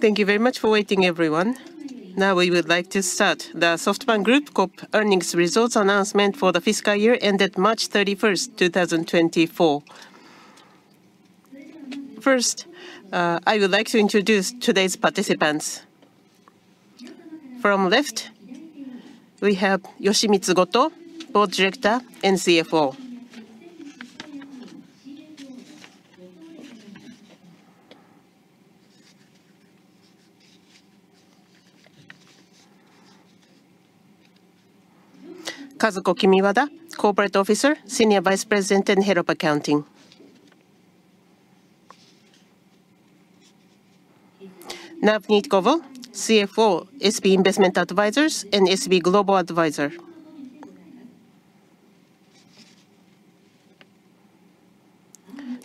Thank you very much for waiting, everyone. Now, we would like to start the SoftBank Group Corp. Earnings Results announcement for the fiscal year ended March 31, 2024. First, I would like to introduce today's participants. From left, we have Yoshimitsu Goto, Board Director and CFO. Kazuko Kimiwada, Corporate Officer, Senior Vice President, and Head of Accounting. Navneet Govil, CFO, SB Investment Advisers and SB Global Advisers.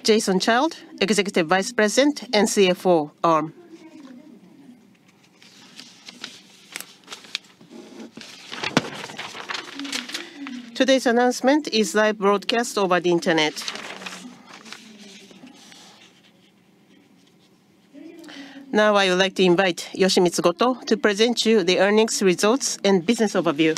Jason Child, Executive Vice President and CFO, Arm. Today's announcement is live broadcast over the internet. Now, I would like to invite Yoshimitsu Goto to present you the earnings results and business overview.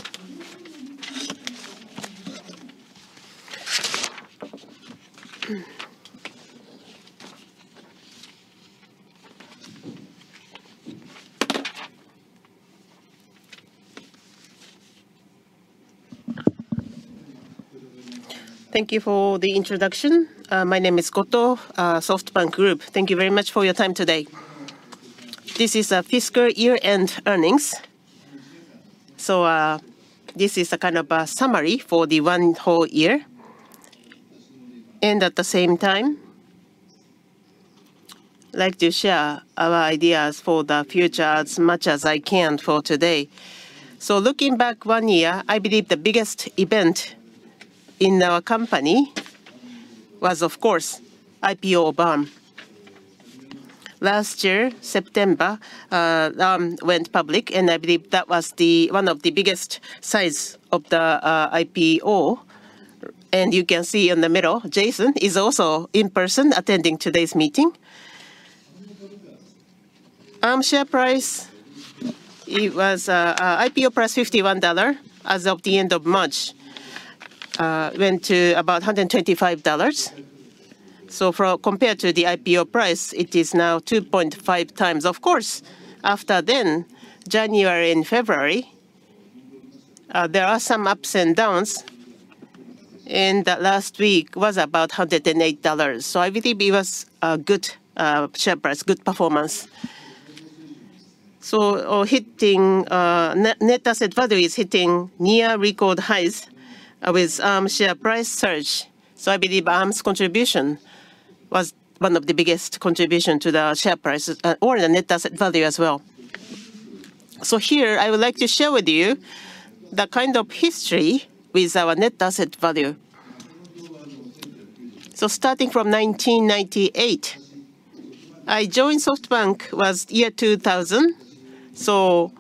Thank you for the introduction. My name is Goto, SoftBank Group. Thank you very much for your time today. This is fiscal year-end earnings, so, this is a kind of a summary for the one whole year. And at the same time, I'd like to share our ideas for the future as much as I can for today. So looking back one year, I believe the biggest event in our company was, of course, IPO of Arm. Last year, September, Arm went public, and I believe that was the one of the biggest size of the IPO. And you can see in the middle, Jason is also in person attending today's meeting. Arm share price, it was IPO price $51. As of the end of March, went to about $125. So compared to the IPO price, it is now 2.5 times. Of course, after then, January and February, there are some ups and downs, and the last week was about $108. So I believe it was a good share price, good performance. So hitting net asset value is hitting near record highs, with Arm share price surge. So I believe Arm's contribution was one of the biggest contribution to the share price, or the net asset value as well. So here I would like to share with you the kind of history with our net asset value. So starting from 1998, I joined SoftBank was year 2000, so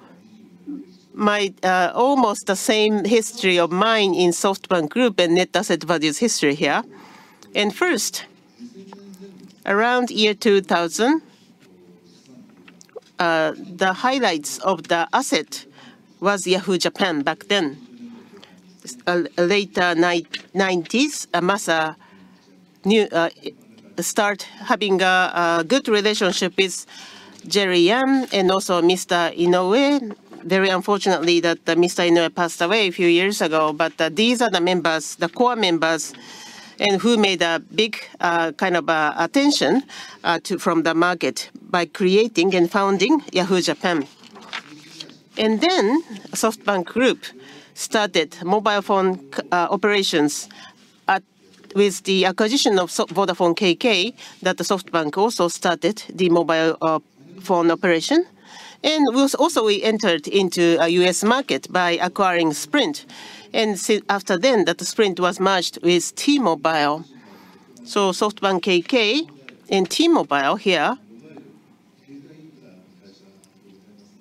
my, almost the same history of mine in SoftBank Group and net asset value's history here. And first, around year 2000, the highlights of the asset was Yahoo! Japan back then. Later 1990s, Masa knew start having a good relationship with Jerry Yang and also Mr. Inoue. Very unfortunately, that, Mr. Inoue passed away a few years ago. But these are the members, the core members, and who made a big kind of attention from the market by creating and founding Yahoo! Japan. And then, SoftBank Group started mobile phone operations with the acquisition of Vodafone KK, that the SoftBank also started the mobile phone operation, and was also we entered into a U.S. market by acquiring Sprint. And after then, that Sprint was merged with T-Mobile. So SoftBank KK and T-Mobile here,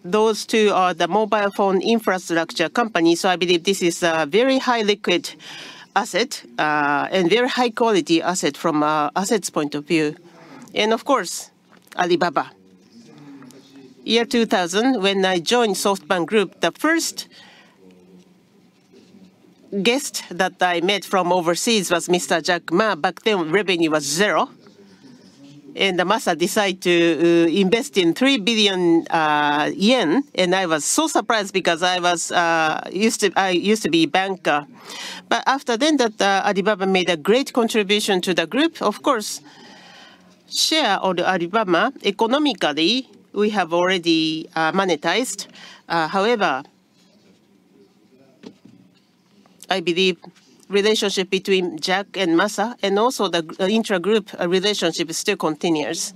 those two are the mobile phone infrastructure company, so I believe this is a very high liquid asset and very high-quality asset from a assets point of view, and of course, Alibaba. Year 2000, when I joined SoftBank Group, the first guest that I met from overseas was Mr. Jack Ma. Back then, revenue was zero, and Masa decided to invest in 3 billion yen, and I was so surprised because I was used to, I used to be banker. But after then, that Alibaba made a great contribution to the group. Of course, share of the Alibaba, economically, we have already monetized. However, I believe relationship between Jack and Masa and also the intra-group relationship still continues.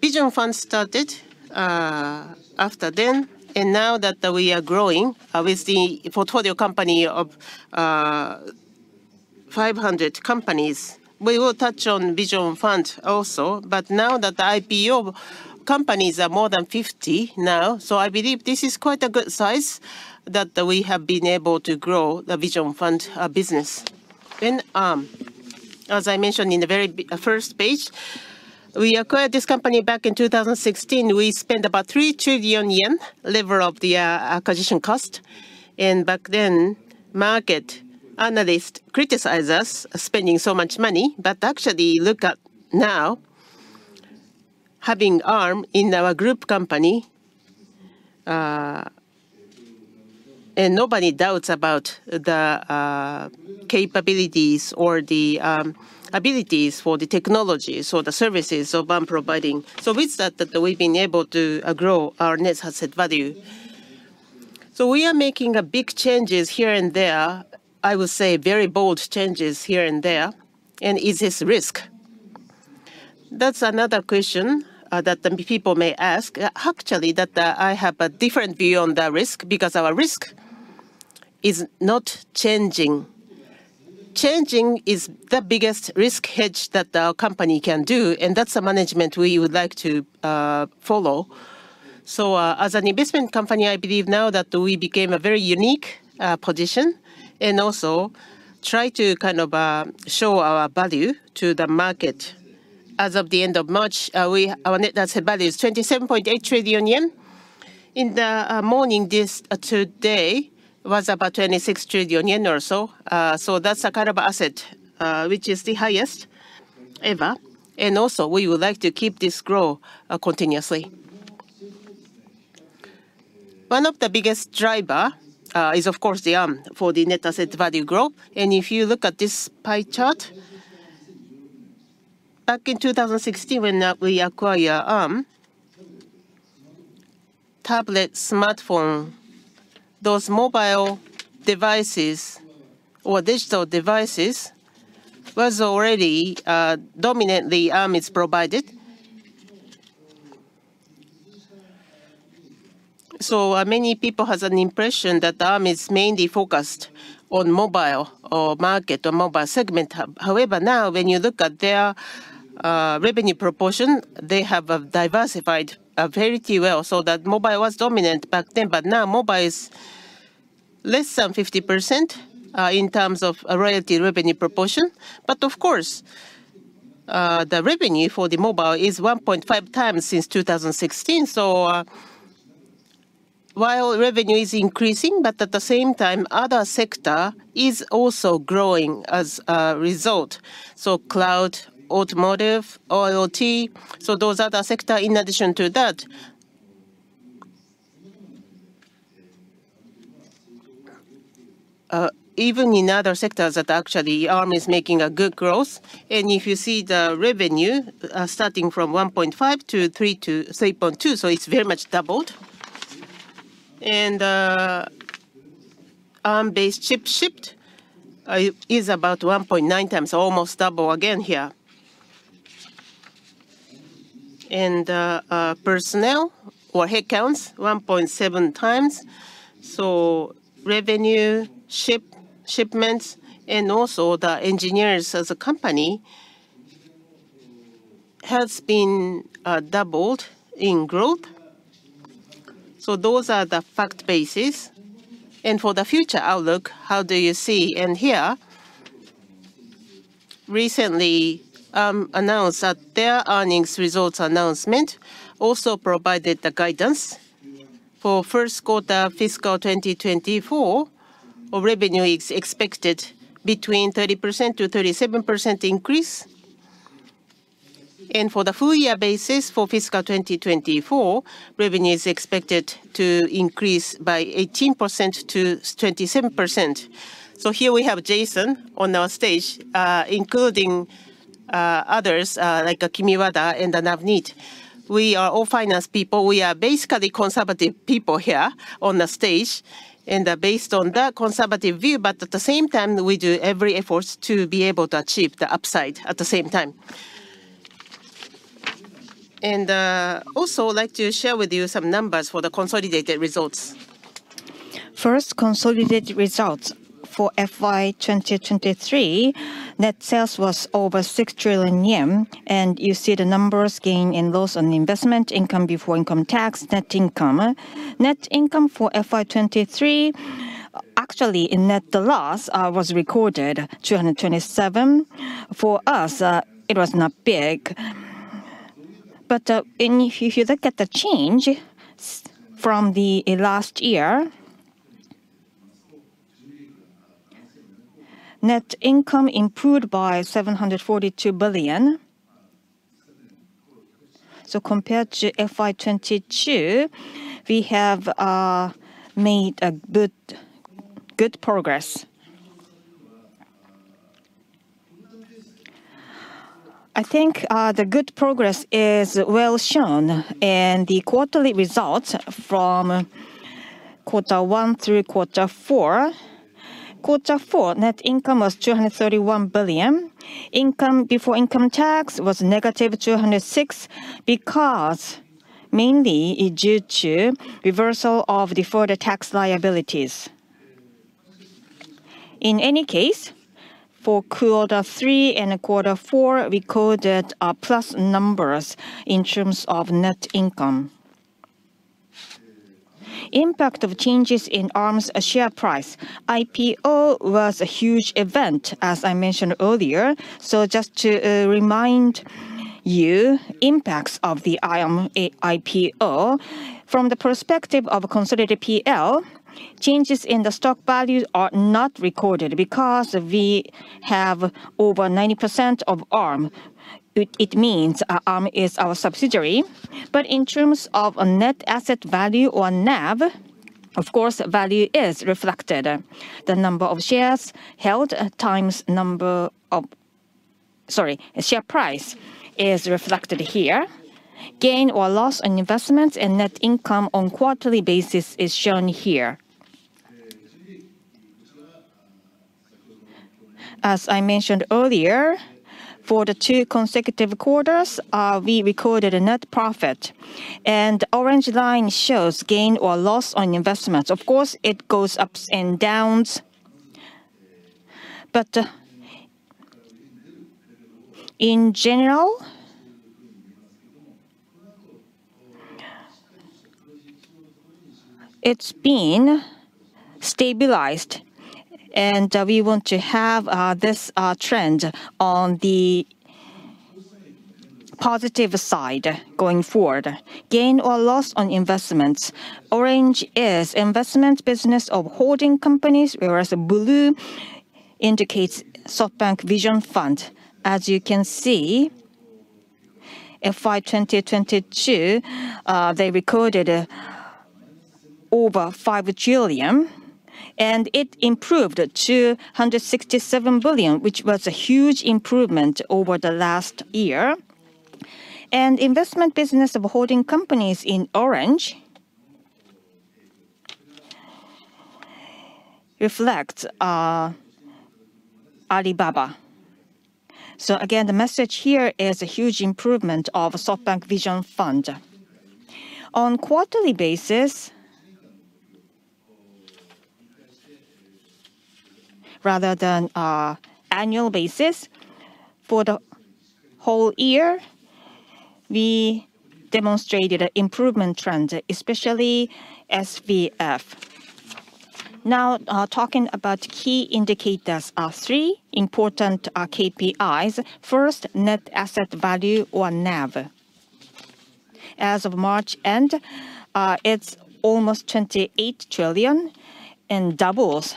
Vision Fund started after then, and now that we are growing with the portfolio company of 500 companies. We will touch on Vision Fund also, but now that the IPO companies are more than 50 now, so I believe this is quite a good size, that we have been able to grow the Vision Fund business. And... As I mentioned in the very first page, we acquired this company back in 2016. We spent about 3 trillion yen, level of the acquisition cost. And back then, market analyst criticized us spending so much money, but actually look at now, having Arm in our group company, and nobody doubts about the capabilities or the abilities for the technologies or the services of Arm providing. So with that, we've been able to grow our net asset value. So we are making a big changes here and there, I would say very bold changes here and there, and is this risk? That's another question that the people may ask. Actually, that I have a different view on the risk, because our risk is not changing. Changing is the biggest risk hedge that our company can do, and that's the management we would like to follow. So, as an investment company, I believe now that we became a very unique position, and also try to kind of show our value to the market. As of the end of March, our net asset value is 27.8 trillion yen. In the morning, this today was about 26 trillion yen or so. So that's a kind of asset which is the highest ever, and also, we would like to keep this growth continuously. One of the biggest driver is of course, the Arm, for the net asset value growth. If you look at this pie chart, back in 2016, when we acquire Arm, tablet, smartphone, those mobile devices or digital devices was already dominantly Arm is provided. So many people has an impression that Arm is mainly focused on mobile or market or mobile segment. However, now when you look at their revenue proportion, they have diversified very well, so that mobile was dominant back then, but now mobile is less than 50% in terms of a royalty revenue proportion. But of course, the revenue for the mobile is 1.5 times since 2016. So while revenue is increasing, but at the same time, other sector is also growing as a result. So cloud, automotive, IoT, so those other sector in addition to that. Even in other sectors that actually Arm is making a good growth, and if you see the revenue, starting from $1.5 to $3 to $3.2, so it's very much doubled. Arm-based chip shipped is about 1.9 times, almost double again here. Personnel or headcounts, 1.7 times. So revenue, shipments, and also the engineers as a company, has been doubled in growth. So those are the fact bases. And for the future outlook, how do you see? And here, recently announced that their earnings results announcement also provided the guidance for first quarter fiscal 2024, our revenue is expected between 30%-37% increase. And for the full year basis, for fiscal 2024, revenue is expected to increase by 18%-27%. So here we have Jason on our stage, including others, like Kimiwada and Navneet. We are all finance people. We are basically conservative people here on the stage, and based on that conservative view, but at the same time, we do every effort to be able to achieve the upside at the same time. Also, I'd like to share with you some numbers for the consolidated results. First, consolidated results for FY 2023, net sales was over 6 trillion yen, and you see the numbers gain and loss on investment income before income tax, net income. Net income for FY 2023, actually, in net the loss was recorded 227. For us, it was not big. But, and if you, if you look at the change from the last year, net income improved by 742 billion. So compared to FY 2022, we have, made a good, good progress. I think, the good progress is well shown in the quarterly results from quarter one through quarter four. Quarter four, net income was 231 billion. Income before income tax was negative 206 billion, because mainly due to reversal of deferred tax liabilities. In any case, for quarter three and quarter four, we recorded, plus numbers in terms of net income. ... Impact of changes in Arm's share price. IPO was a huge event, as I mentioned earlier. So just to remind you, impacts of the Arm IPO, from the perspective of a consolidated PL, changes in the stock values are not recorded because we have over 90% of Arm. It means, Arm is our subsidiary. But in terms of a net asset value or NAV, of course, value is reflected. The number of shares held times number of... Sorry, share price is reflected here. Gain or loss on investments and net income on quarterly basis is shown here. As I mentioned earlier, for the two consecutive quarters, we recorded a net profit, and orange line shows gain or loss on investments. Of course, it goes ups and downs, but in general, it's been stabilized, and we want to have this trend on the positive side going forward. Gain or loss on investments. Orange is investment business of holding companies, whereas blue indicates SoftBank Vision Fund. As you can see, in FY 2022, they recorded over 5 trillion, and it improved to 167 billion, which was a huge improvement over the last year. And investment business of holding companies in orange reflects Alibaba. So again, the message here is a huge improvement of SoftBank Vision Fund. On quarterly basis, rather than annual basis, for the whole year, we demonstrated an improvement trend, especially SVF. Now, talking about key indicators, three important KPIs. First, net asset value or NAV. As of March end, it's almost 28 trillion and doubles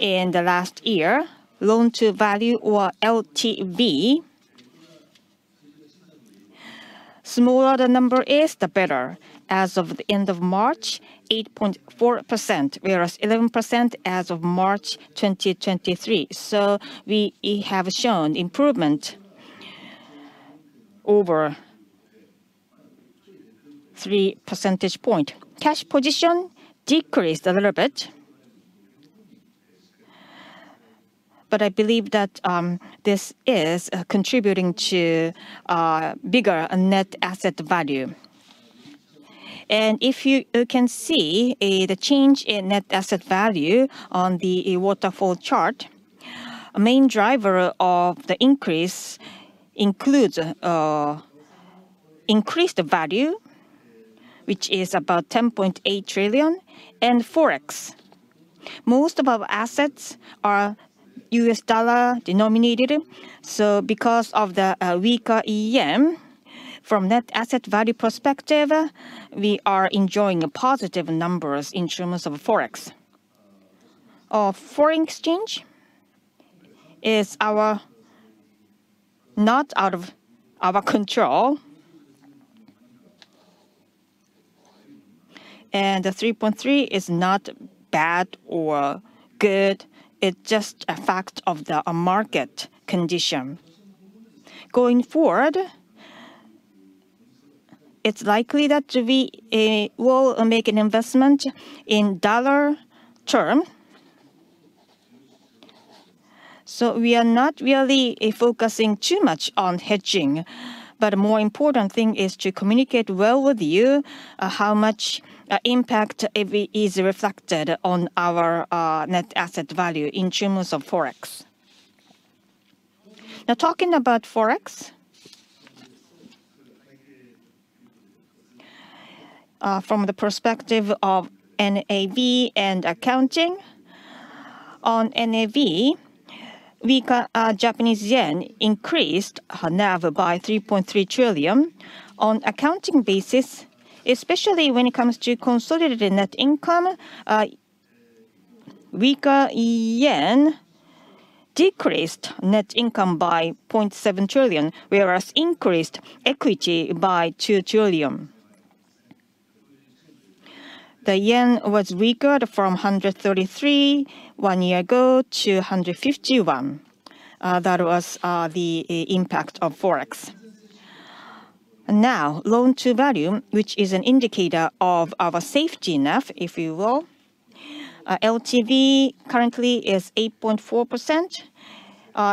in the last year. Loan-to-value or LTV, smaller the number is, the better. As of the end of March, 8.4%, whereas 11% as of March 2023. So we, we have shown improvement over three percentage point. Cash position decreased a little bit, but I believe that, this is, contributing to a bigger net asset value. And if you, you can see, the change in net asset value on the waterfall chart, a main driver of the increase includes, increased value, which is about 10.8 trillion, and Forex. Most of our assets are US dollar denominated, so because of the, weaker EM, from net asset value perspective, we are enjoying a positive numbers in terms of Forex. Our foreign exchange is our... Not out of our control. The 3.3 is not bad or good, it's just a fact of the market condition. Going forward, it's likely that we will make an investment in dollar term. So we are not really focusing too much on hedging, but a more important thing is to communicate well with you how much impact it is reflected on our net asset value in terms of Forex. Now, talking about Forex, from the perspective of NAV and accounting. On NAV, weaker Japanese yen increased our NAV by 3.3 trillion. On accounting basis, especially when it comes to consolidated net income, weaker yen decreased net income by 0.7 trillion, whereas increased equity by 2 trillion. The yen was weaker from 133 one year ago to 151. That was the impact of Forex. And now, loan-to-value, which is an indicator of our safety net, if you will. LTV currently is 8.4%.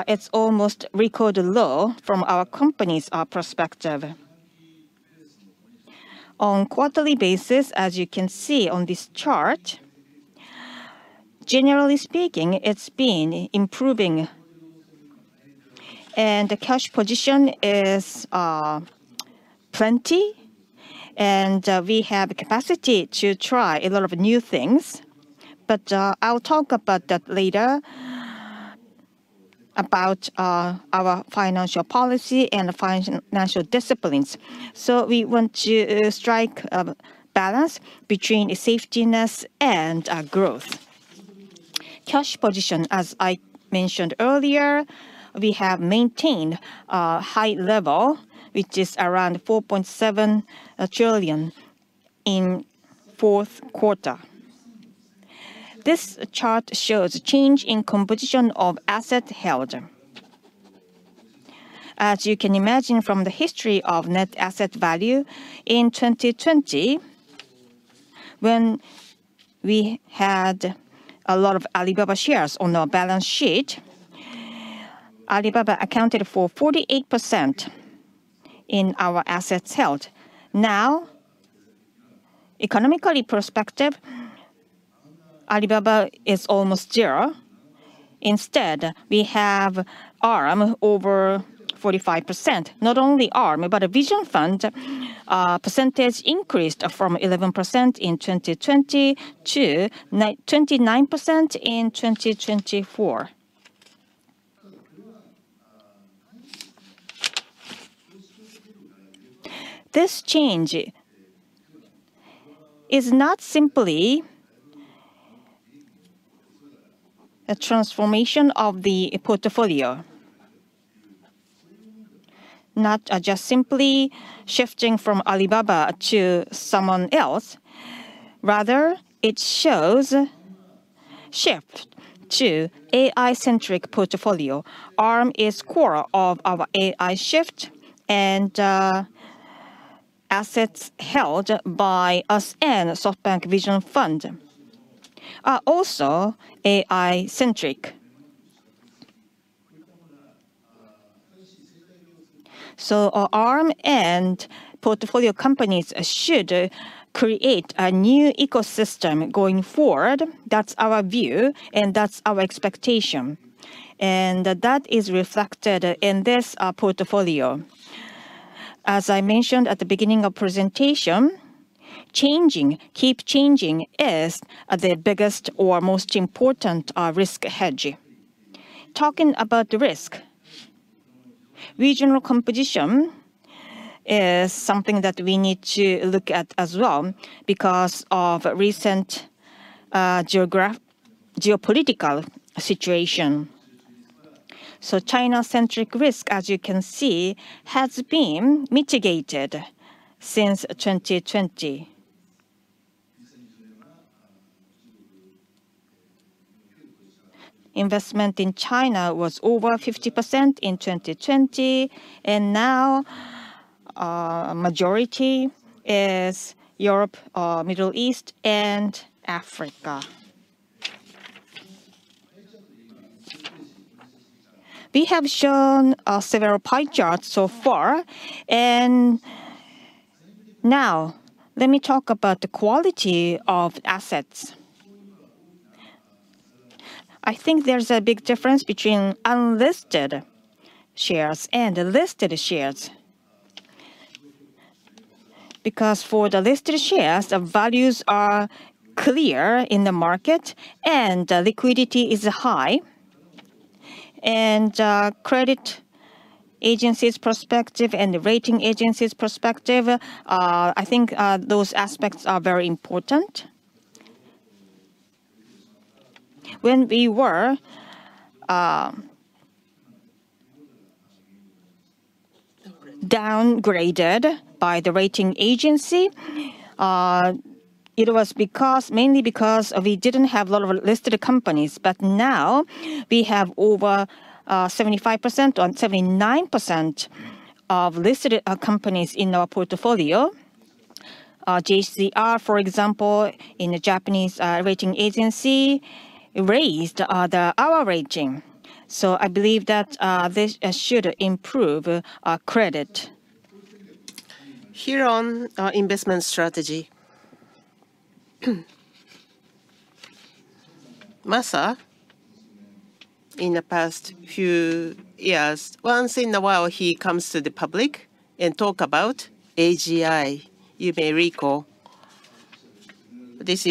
It's almost record low from our company's perspective. On quarterly basis, as you can see on this chart, generally speaking, it's been improving... and the cash position is plenty, and we have the capacity to try a lot of new things. But, I'll talk about that later, about our financial policy and financial disciplines. So we want to strike a balance between the safetiness and growth. Cash position, as I mentioned earlier, we have maintained a high level, which is around 4.7 trillion in fourth quarter. This chart shows change in composition of asset held. As you can imagine from the history of net asset value, in 2020, when we had a lot of Alibaba shares on our balance sheet, Alibaba accounted for 48% in our assets held. Now, economically perspective, Alibaba is almost zero. Instead, we have Arm over 45%. Not only Arm, but a Vision Fund percentage increased from 11% in 2020 to 29% in 2024. This change is not simply a transformation of the portfolio, not just simply shifting from Alibaba to someone else. Rather, it shows shift to AI-centric portfolio. Arm is core of our AI shift and assets held by us and SoftBank Vision Fund are also AI-centric. So our Arm and portfolio companies should create a new ecosystem going forward. That's our view, and that's our expectation, and that is reflected in this portfolio. As I mentioned at the beginning of presentation, changing, keep changing, is the biggest or most important, risk hedge. Talking about the risk, regional competition is something that we need to look at as well because of recent, geopolitical situation. So China-centric risk, as you can see, has been mitigated since 2020. Investment in China was over 50% in 2020, and now, majority is Europe, Middle East, and Africa. We have shown several pie charts so far, and now let me talk about the quality of assets. I think there's a big difference between unlisted shares and listed shares. Because for the listed shares, the values are clear in the market, and the liquidity is high, and, credit agencies perspective and the rating agencies perspective, I think, those aspects are very important. When we were downgraded by the rating agency, it was because, mainly because we didn't have a lot of listed companies, but now we have over 75% or 79% of listed companies in our portfolio. JCR, for example, in the Japanese rating agency, raised our rating. So I believe that this should improve our credit. Here on our investment strategy. Masa, in the past few years, once in a while, he comes to the public and talk about AGI. You may recall, this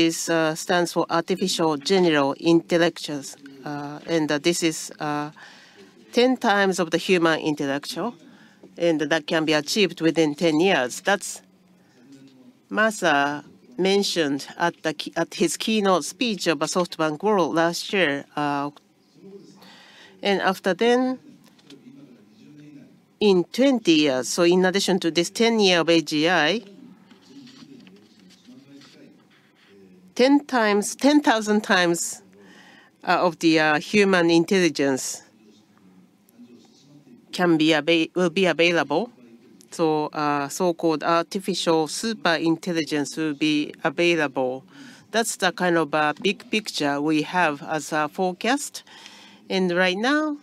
stands for Artificial General Intelligence, and this is 10 times of the human intellectual, and that can be achieved within 10 years. That's Masa mentioned at the k-- at his keynote speech of a SoftBank World last year. And after then, in 20 years, so in addition to this 10-year of AGI, 10 times, 10,000 times of the human intelligence will be available. So, so-called artificial super intelligence will be available. That's the kind of big picture we have as a forecast, and right now,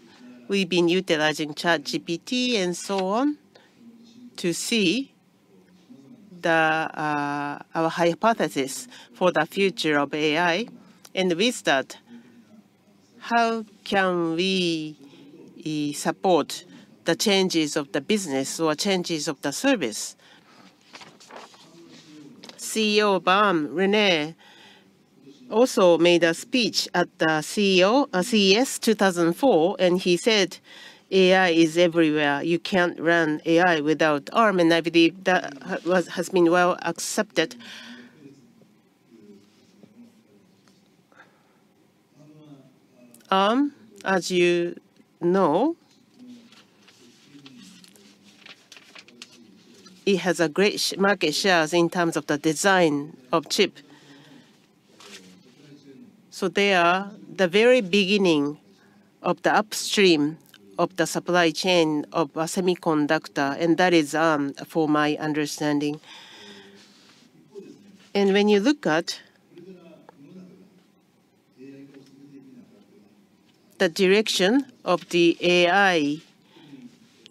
we've been utilizing ChatGPT and so on to see- ... our hypothesis for the future of AI. And with that, how can we support the changes of the business or changes of the service? Arm CEO Rene also made a speech at CES 2024, and he said, "AI is everywhere. You can't run AI without Arm." And I believe that has been well accepted. Arm, as you know, it has a great market shares in terms of the design of chip. So they are the very beginning of the upstream of the supply chain of a semiconductor, and that is for my understanding. And when you look at the direction of the AI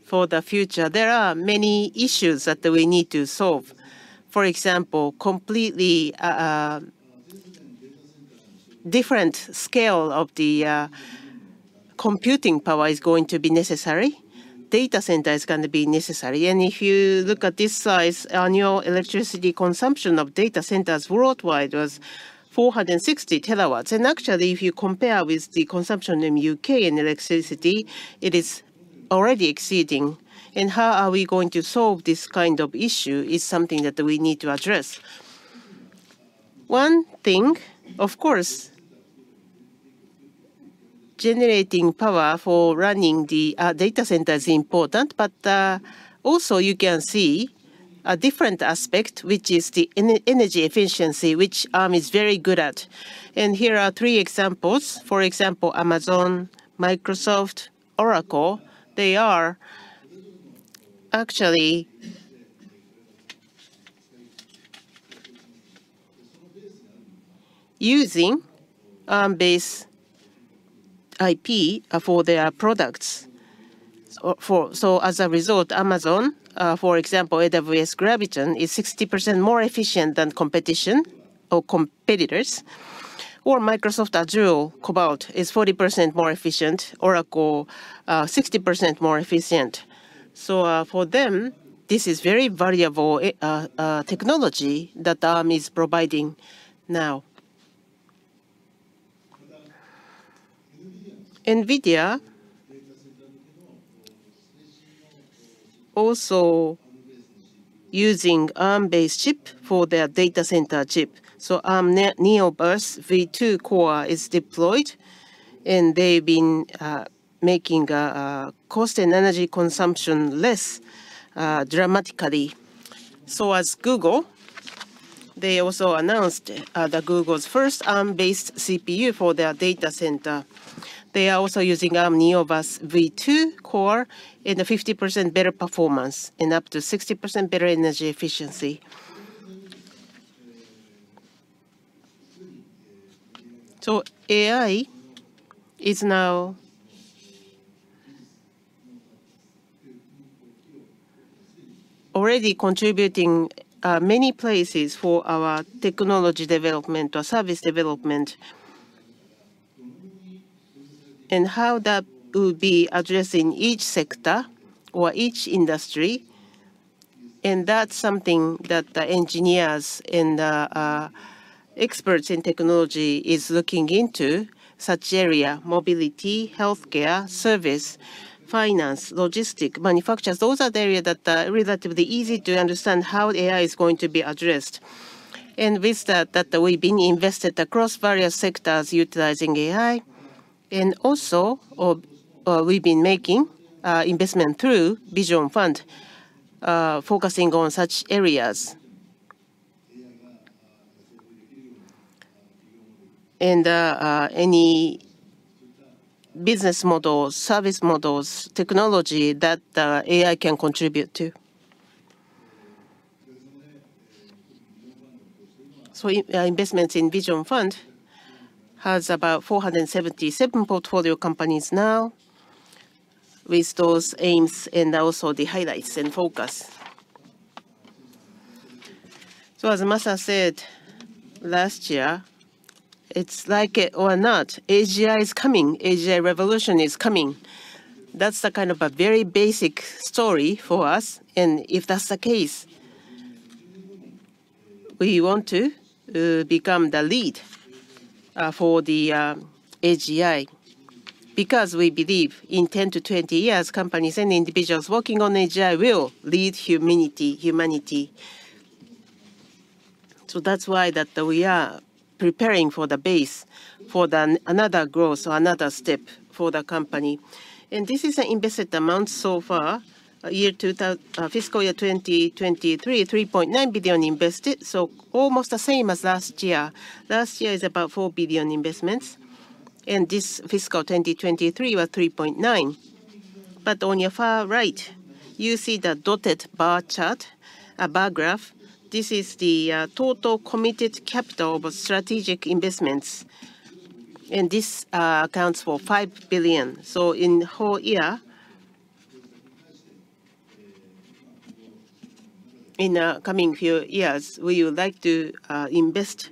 for the future, there are many issues that we need to solve. For example, completely different scale of the computing power is going to be necessary. Data center is gonna be necessary. If you look at this size, annual electricity consumption of data centers worldwide was 460 TW. Actually, if you compare with the consumption in U.K. and electricity, it is already exceeding. How are we going to solve this kind of issue is something that we need to address. One thing, of course, generating power for running the data center is important, but also you can see a different aspect, which is the energy efficiency, which Arm is very good at. Here are three examples. For example, Amazon, Microsoft, Oracle, they are actually using Arm-based IP for their products. So as a result, Amazon, for example, AWS Graviton, is 60% more efficient than competition or competitors. Microsoft Azure Cobalt is 40% more efficient, Oracle, 60% more efficient. So, for them, this is very valuable technology that Arm is providing now. NVIDIA also using Arm-based chip for their data center chip. So Arm Neoverse V2 core is deployed, and they've been making cost and energy consumption less dramatically. So as Google, they also announced the Google's first Arm-based CPU for their data center. They are also using Arm Neoverse V2 core and a 50% better performance and up to 60% better energy efficiency. So AI is now already contributing many places for our technology development or service development, and how that will be addressing each sector or each industry, and that's something that the engineers and experts in technology is looking into such area: mobility, healthcare, service, finance, logistic, manufacturers. Those are the areas that are relatively easy to understand how AI is going to be addressed. With that, we've been invested across various sectors utilizing AI, and also, we've been making investment through Vision Fund, focusing on such areas. And any business models, service models, technology that AI can contribute to. So investments in Vision Fund has about 477 portfolio companies now, with those aims and also the highlights and focus. So as Masa said last year, "Like it or not, AGI is coming. AGI revolution is coming." That's the kind of a very basic story for us, and if that's the case, we want to become the lead for the AGI. Because we believe in 10-20 years, companies and individuals working on AGI will lead humanity, humanity. So that's why that we are preparing for the base for another growth, so another step for the company. And this is an invested amount so far, fiscal year 2023, $3.9 billion invested, so almost the same as last year. Last year is about $4 billion investments, and this fiscal 2023 was $3.9 billion. But on your far right, you see the dotted bar chart, a bar graph. This is the total committed capital of strategic investments and this accounts for $5 billion. So in the whole year, in coming few years, we would like to invest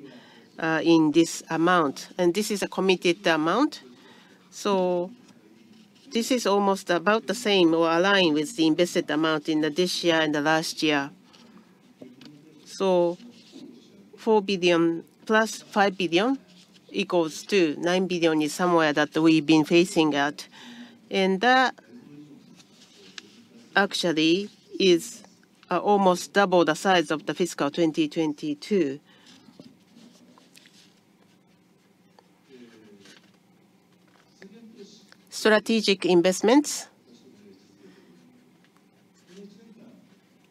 in this amount, and this is a committed amount. So this is almost about the same or aligned with the invested amount in this year and the last year. So $4 billion + $5 billion equals to $9 billion is somewhere that we've been facing at, and that actually is almost double the size of the fiscal 2022 strategic investments.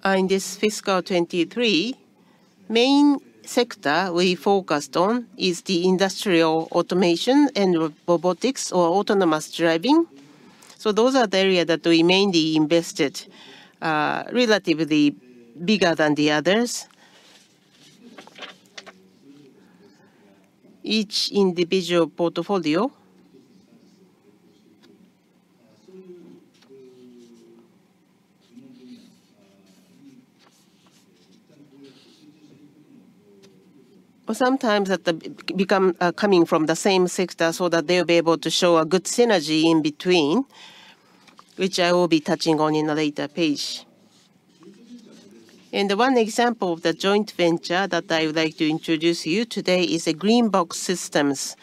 In this fiscal 2023, main sector we focused on is the industrial automation and robotics or autonomous driving. So those are the area that we mainly invested, relatively bigger than the others. Each individual portfolio. Sometimes they become coming from the same sector so that they'll be able to show a good synergy in between, which I will be touching on in a later page. And one example of the joint venture that I would like to introduce you today is the GreenBox Systems,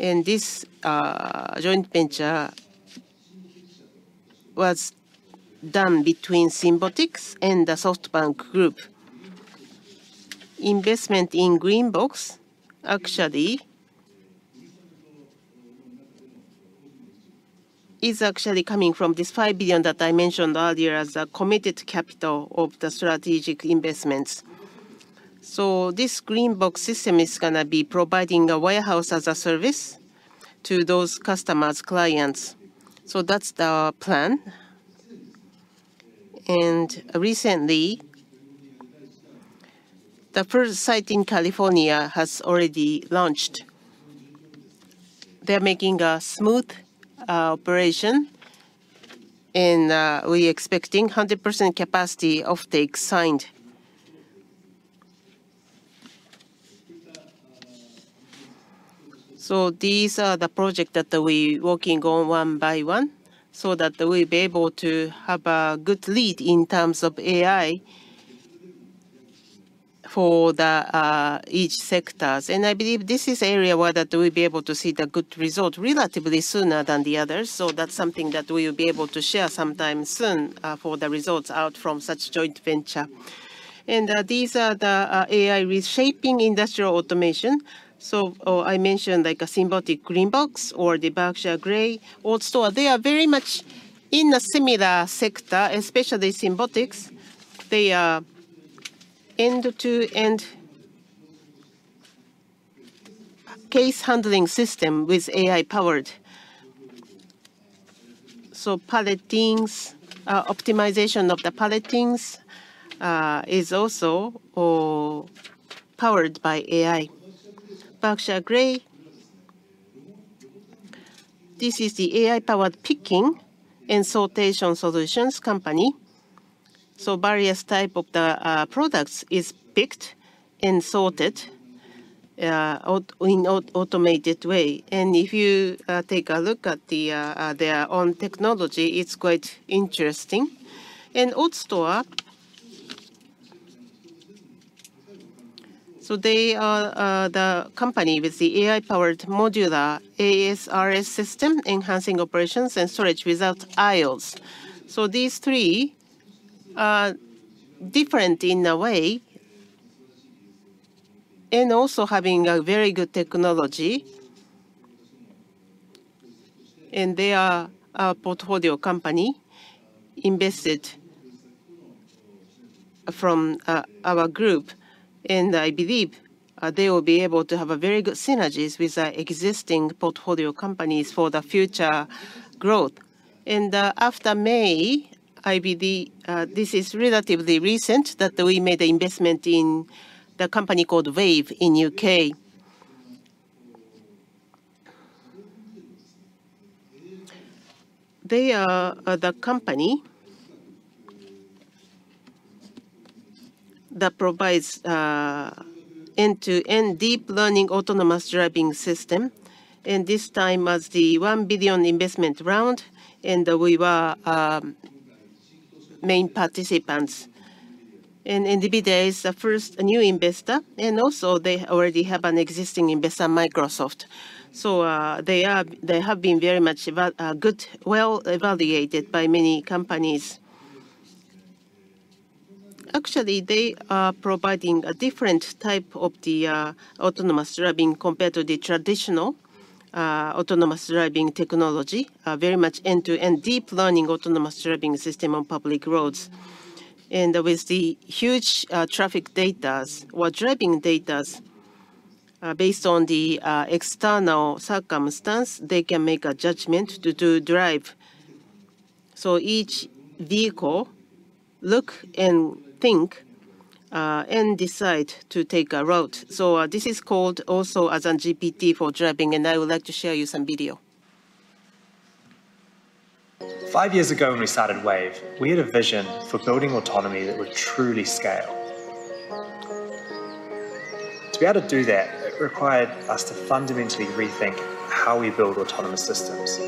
and this joint venture was done between Symbotic and the SoftBank Group. Investment in GreenBox actually is actually coming from this $5 billion that I mentioned earlier as a committed capital of the strategic investments. So this GreenBox system is gonna be providing a warehouse as a service to those customers, clients. So that's the plan. And recently, the first site in California has already launched. They're making a smooth operation, and we expecting 100% capacity offtake signed. So these are the project that we working on one by one, so that we'll be able to have a good lead in terms of AI for the each sectors. And I believe this is area where that we'll be able to see the good result relatively sooner than the others, so that's something that we will be able to share sometime soon for the results out from such joint venture. These are the AI reshaping industrial automation. So, I mentioned, like, a Symbotic GreenBox or the Berkshire Grey, AutoStore. They are very much in a similar sector, especially Symbotic. They are end-to-end case handling system with AI-powered. So palletizing optimization of the palletizing is also powered by AI. Berkshire Grey, this is the AI-powered picking and sortation solutions company. So various type of the products is picked and sorted in automated way. And if you take a look at their own technology, it's quite interesting. And AutoStore, so they are the company with the AI-powered modular ASRS system, enhancing operations and storage without aisles. So these three are different in a way and also having a very good technology, and they are a portfolio company invested from our group, and I believe they will be able to have a very good synergies with our existing portfolio companies for the future growth. After May, NVIDIA, this is relatively recent, that we made an investment in the company called Wayve in UK. They are the company that provides end-to-end deep learning autonomous driving system, and this time as the $1 billion investment round, and we were main participants. And NVIDIA is the first new investor, and also they already have an existing investor, Microsoft. So they have been very well evaluated by many companies. Actually, they are providing a different type of the autonomous driving compared to the traditional autonomous driving technology. Very much end-to-end deep learning autonomous driving system on public roads. And with the huge traffic datas or driving datas, based on the external circumstance, they can make a judgment to, to drive.... So each vehicle look and think, and decide to take a route. So, this is called also as an GPT for driving, and I would like to share you some video. Five years ago, when we started Wayve, we had a vision for building autonomy that would truly scale. To be able to do that, it required us to fundamentally rethink how we build autonomous systems.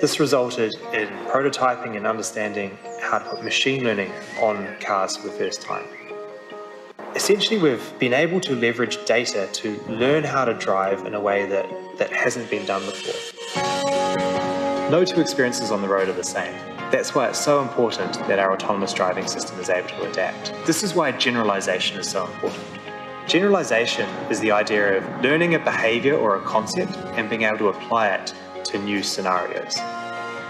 This resulted in prototyping and understanding how to put machine learning on cars for the first time. Essentially, we've been able to leverage data to learn how to drive in a way that hasn't been done before. No two experiences on the road are the same. That's why it's so important that our autonomous driving system is able to adapt. This is why generalization is so important. Generalization is the idea of learning a behavior or a concept and being able to apply it to new scenarios.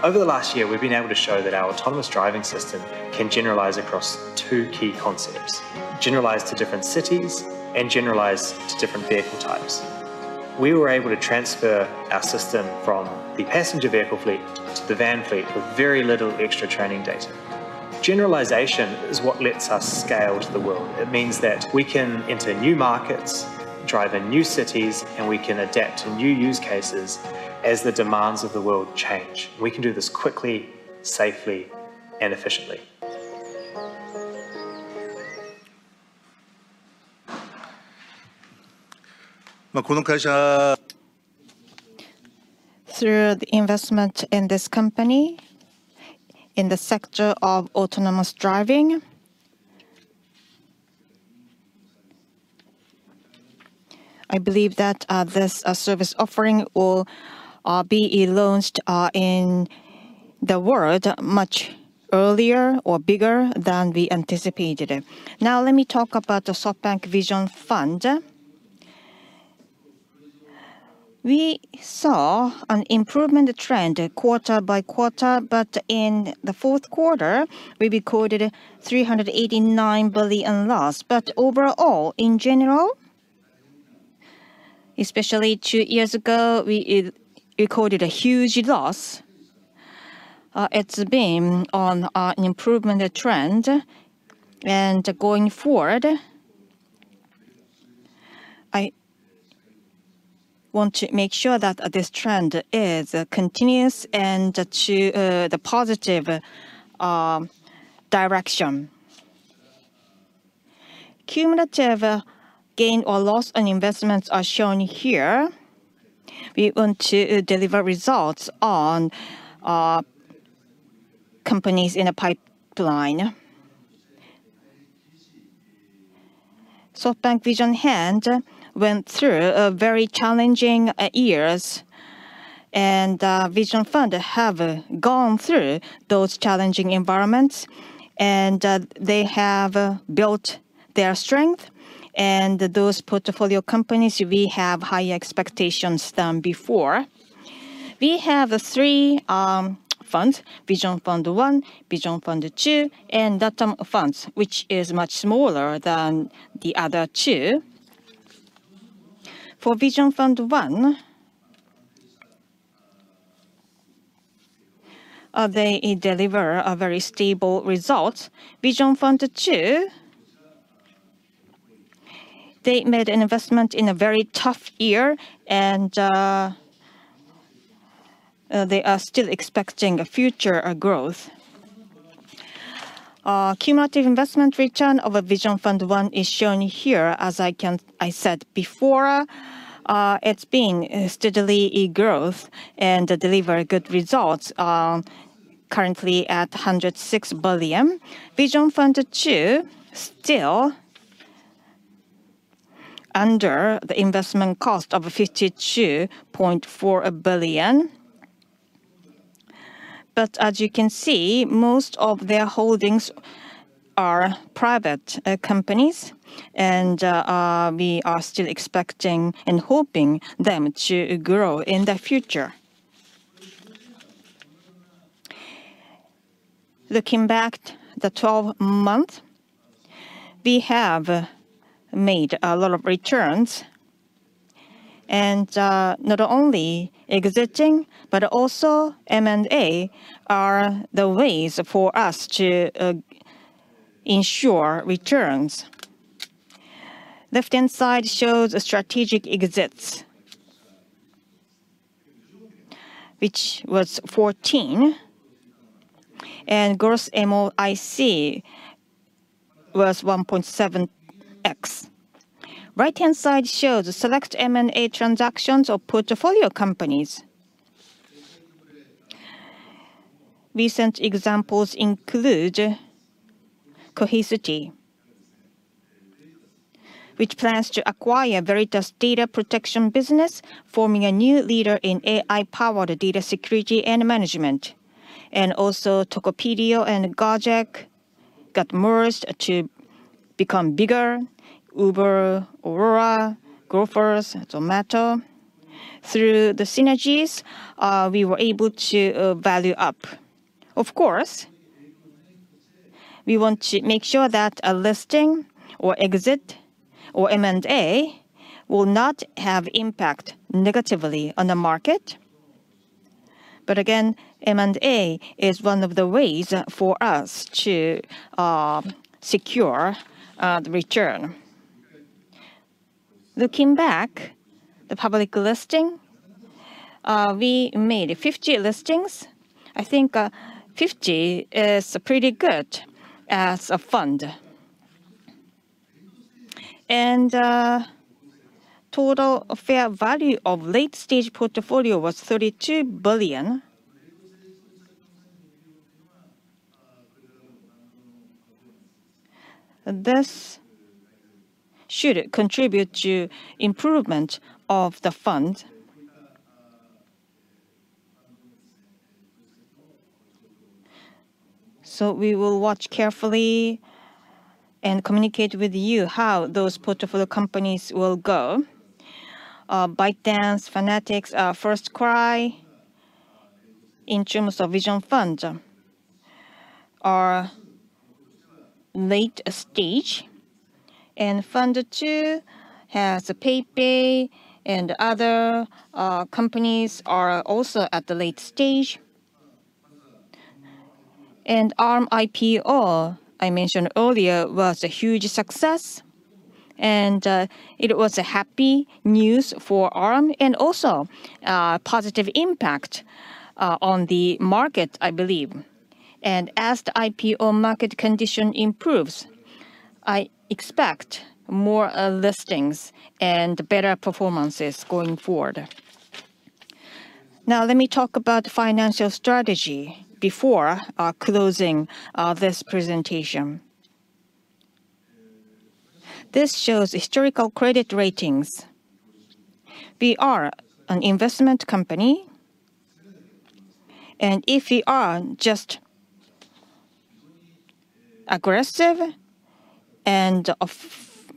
Over the last year, we've been able to show that our autonomous driving system can generalize across two key concepts: generalize to different cities and generalize to different vehicle types. We were able to transfer our system from the passenger vehicle fleet to the van fleet with very little extra training data. Generalization is what lets us scale to the world. It means that we can enter new markets, drive in new cities, and we can adapt to new use cases as the demands of the world change. We can do this quickly, safely, and efficiently. Through the investment in this company, in the sector of autonomous driving, I believe that this service offering will be launched in the world much earlier or bigger than we anticipated. Now, let me talk about the SoftBank Vision Fund. We saw an improvement trend quarter by quarter, but in the fourth quarter, we recorded 389 billion loss. But overall, in general, especially two years ago, we re-recorded a huge loss. It's been on an improvement trend, and going forward, I want to make sure that this trend is continuous and to the positive direction. Cumulative gain or loss on investments are shown here. We want to deliver results on companies in a pipeline. SoftBank Vision Fund went through a very challenging years, and Vision Fund have gone through those challenging environments, and they have built their strength, and those portfolio companies, we have higher expectations than before. We have three funds, Vision Fund One, Vision Fund Two, and Latin Funds, which is much smaller than the other two. For Vision Fund One, they deliver a very stable result. Vision Fund Two, they made an investment in a very tough year, and they are still expecting a future growth. Cumulative investment return of a Vision Fund One is shown here. As I said before, it's been a steadily growth and deliver good results, currently at $106 billion. Vision Fund Two, still under the investment cost of $52.4 billion. But as you can see, most of their holdings are private, companies, and, we are still expecting and hoping them to grow in the future. Looking back the 12 months, we have made a lot of returns, and, not only exiting, but also M&A are the ways for us to, ensure returns. Left-hand side shows strategic exits, which was 14, and gross MOIC was 1.7x. Right-hand side shows select M&A transactions of portfolio companies. Recent examples include Cohesity, which plans to acquire Veritas Data Protection business, forming a new leader in AI-powered data security and management, and also Tokopedia and Gojek got merged to become bigger, Uber, Aurora, Grofers, Zomato. Through the synergies, we were able to value up. Of course. We want to make sure that a listing or exit or M&A will not have impact negatively on the market. But again, M&A is one of the ways for us to secure the return. Looking back, the public listing, we made 50 listings. I think 50 is pretty good as a fund. And total fair value of late-stage portfolio was $32 billion. This should contribute to improvement of the fund. So we will watch carefully and communicate with you how those portfolio companies will go. ByteDance, Fanatics, FirstCry, in terms of Vision Fund, are late stage, and Fund II has PayPal and other companies are also at the late stage. And Arm IPO, I mentioned earlier, was a huge success, and it was happy news for Arm and also a positive impact on the market, I believe. And as the IPO market condition improves, I expect more listings and better performances going forward. Now, let me talk about financial strategy before closing this presentation. This shows historical credit ratings. We are an investment company, and if we are just aggressive and offensive,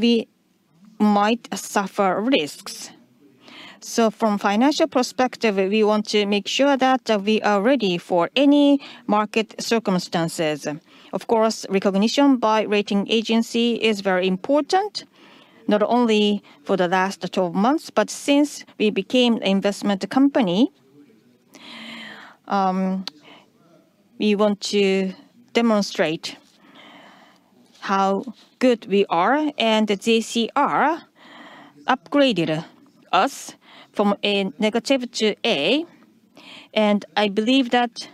we might suffer risks. So from financial perspective, we want to make sure that we are ready for any market circumstances. Of course, recognition by rating agency is very important, not only for the last 12 months, but since we became an investment company. We want to demonstrate how good we are, and the JCR upgraded us from a negative to A, and I believe that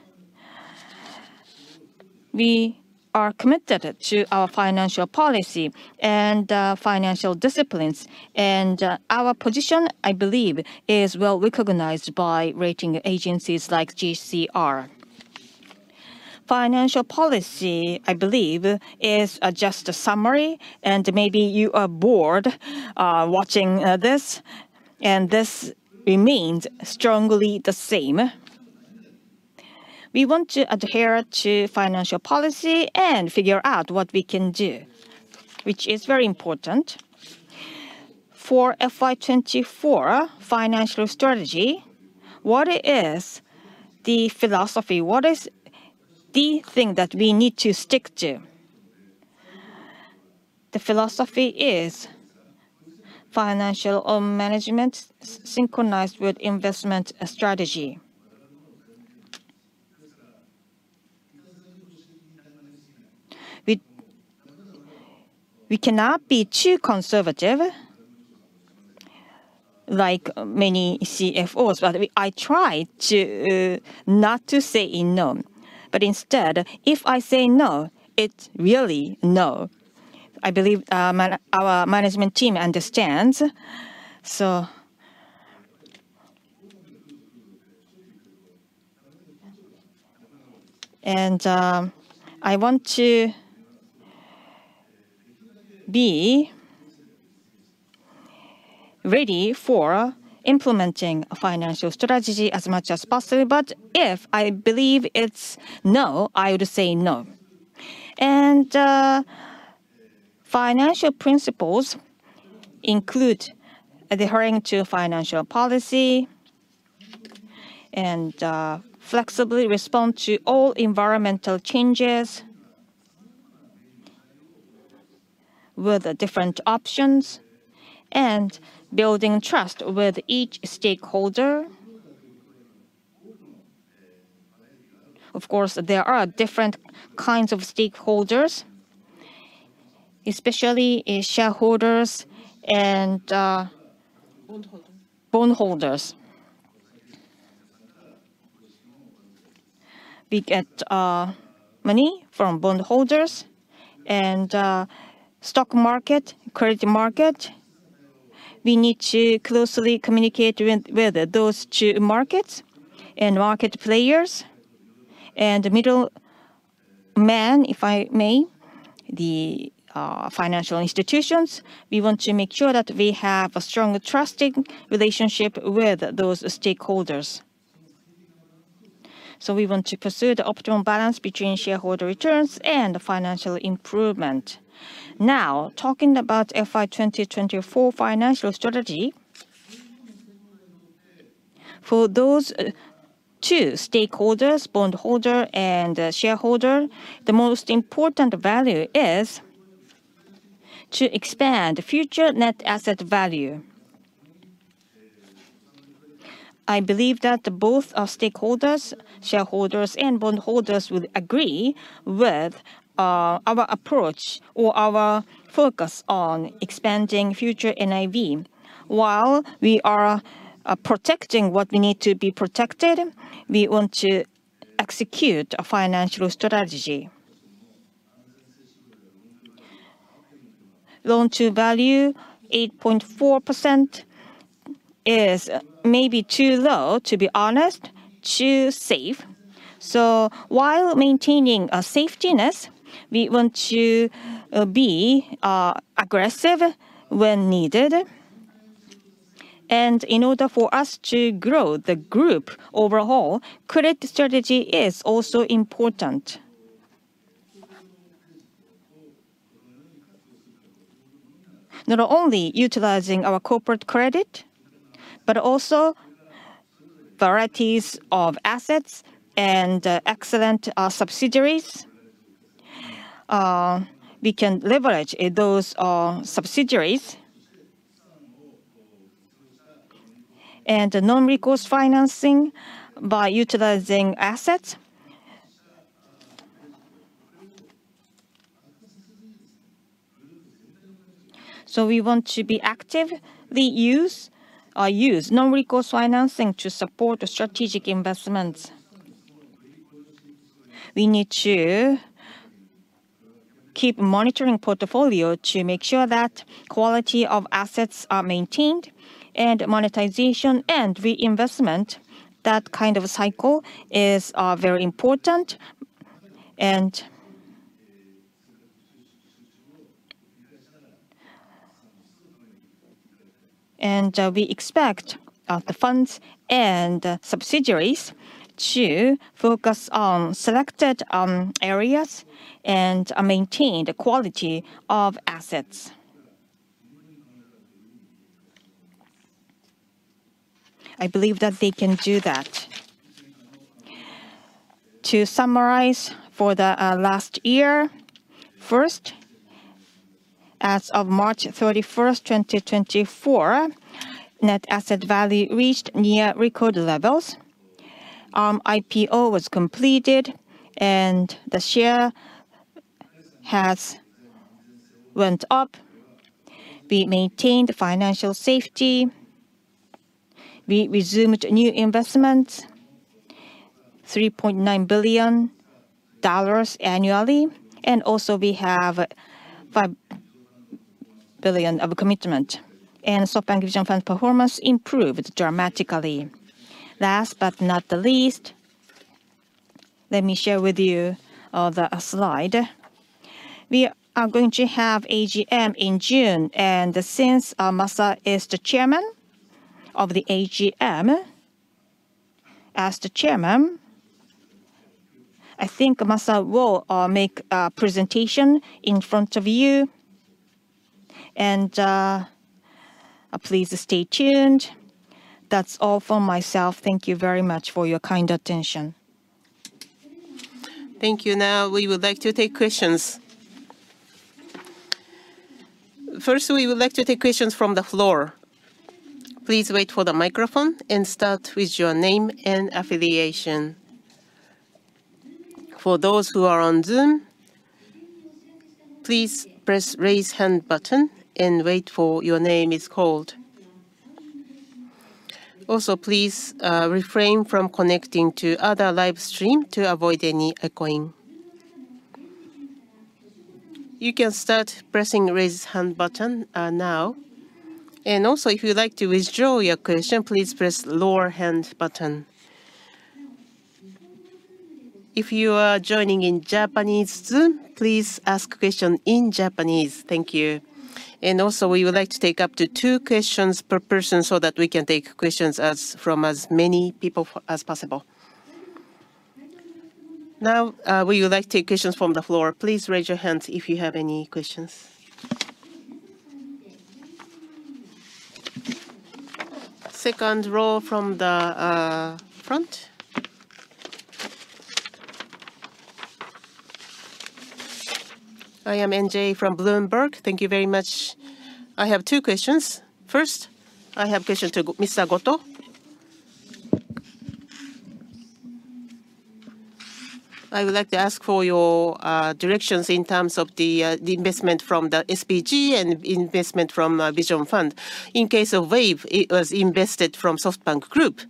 we are committed to our financial policy and financial disciplines. Our position, I believe, is well recognized by rating agencies like JCR. Financial policy, I believe, is just a summary, and maybe you are bored watching this, and this remains strongly the same. We want to adhere to financial policy and figure out what we can do, which is very important. For FY 2024 financial strategy, what is the philosophy? What is the thing that we need to stick to? The philosophy is financial management synchronized with investment strategy. We, we cannot be too conservative, like many CFOs. But I try to not to say no, but instead, if I say no, it's really no. I believe, our management team understands, so... And, I want to be ready for implementing a financial strategy as much as possible, but if I believe it's no, I would say no. And, financial principles include adhering to financial policy and, flexibly respond to all environmental changes with different options and building trust with each stakeholder. Of course, there are different kinds of stakeholders, especially shareholders and Bondholders. We get money from bondholders and stock market, credit market. We need to closely communicate with those two markets and market players and the middle man, if I may, the financial institutions. We want to make sure that we have a strong, trusting relationship with those stakeholders. So we want to pursue the optimum balance between shareholder returns and financial improvement. Now, talking about FY 2024 financial strategy... for those two stakeholders, bondholder and shareholder, the most important value is to expand future net asset value. I believe that both our stakeholders, shareholders, and bondholders would agree with our approach or our focus on expanding future NAV. While we are protecting what we need to be protected, we want to execute a financial strategy. Loan to value, 8.4%, is maybe too low, to be honest, too safe. So while maintaining a safeness, we want to be aggressive when needed. And in order for us to grow the group overall, credit strategy is also important. Not only utilizing our corporate credit, but also varieties of assets and excellent subsidiaries. We can leverage those subsidiaries and non-recourse financing by utilizing assets. So we want to actively use non-recourse financing to support the strategic investments. We need to keep monitoring portfolio to make sure that quality of assets are maintained, and monetization and reinvestment, that kind of cycle is very important. And we expect the funds and subsidiaries to focus on selected areas and maintain the quality of assets. I believe that they can do that. To summarize for the last year, first, as of March 31, 2024, net asset value reached near record levels. IPO was completed, and the share has went up. We maintained financial safety. We resumed new investments, $3.9 billion annually, and also we have $5 billion of commitment. SoftBank Vision Fund's performance improved dramatically. Last but not the least, let me share with you the slide. We are going to have AGM in June, and since Masa is the chairman of the AGM, as the chairman, I think Masa will make a presentation in front of you, and please stay tuned. That's all for myself. Thank you very much for your kind attention. Thank you. Now, we would like to take questions. First, we would like to take questions from the floor. Please wait for the microphone and start with your name and affiliation. For those who are on Zoom, please press raise hand button and wait for your name is called. Also, please refrain from connecting to other live stream to avoid any echoing. You can start pressing raise hand button now. And also, if you'd like to withdraw your question, please press lower hand button. If you are joining in Japanese Zoom, please ask question in Japanese. Thank you. And also, we would like to take up to two questions per person so that we can take questions from as many people as possible. Now we would like to take questions from the floor. Please raise your hands if you have any questions. Second row from the front. I am MJ from Bloomberg. Thank you very much. I have two questions. First, I have question to Mr. Goto. I would like to ask for your directions in terms of the investment from the SBG and investment from Vision Fund. In case of Wayve, it was invested from SoftBank Group.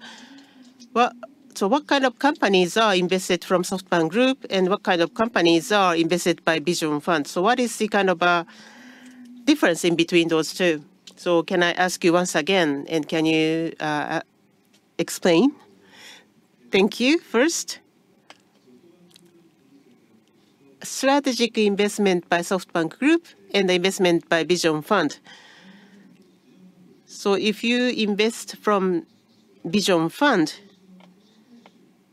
What... So what kind of companies are invested from SoftBank Group, and what kind of companies are invested by Vision Fund? So what is the kind of difference in between those two? So can I ask you once again, and can you explain? Thank you. First, strategic investment by SoftBank Group and investment by Vision Fund. So if you invest from Vision Fund- ...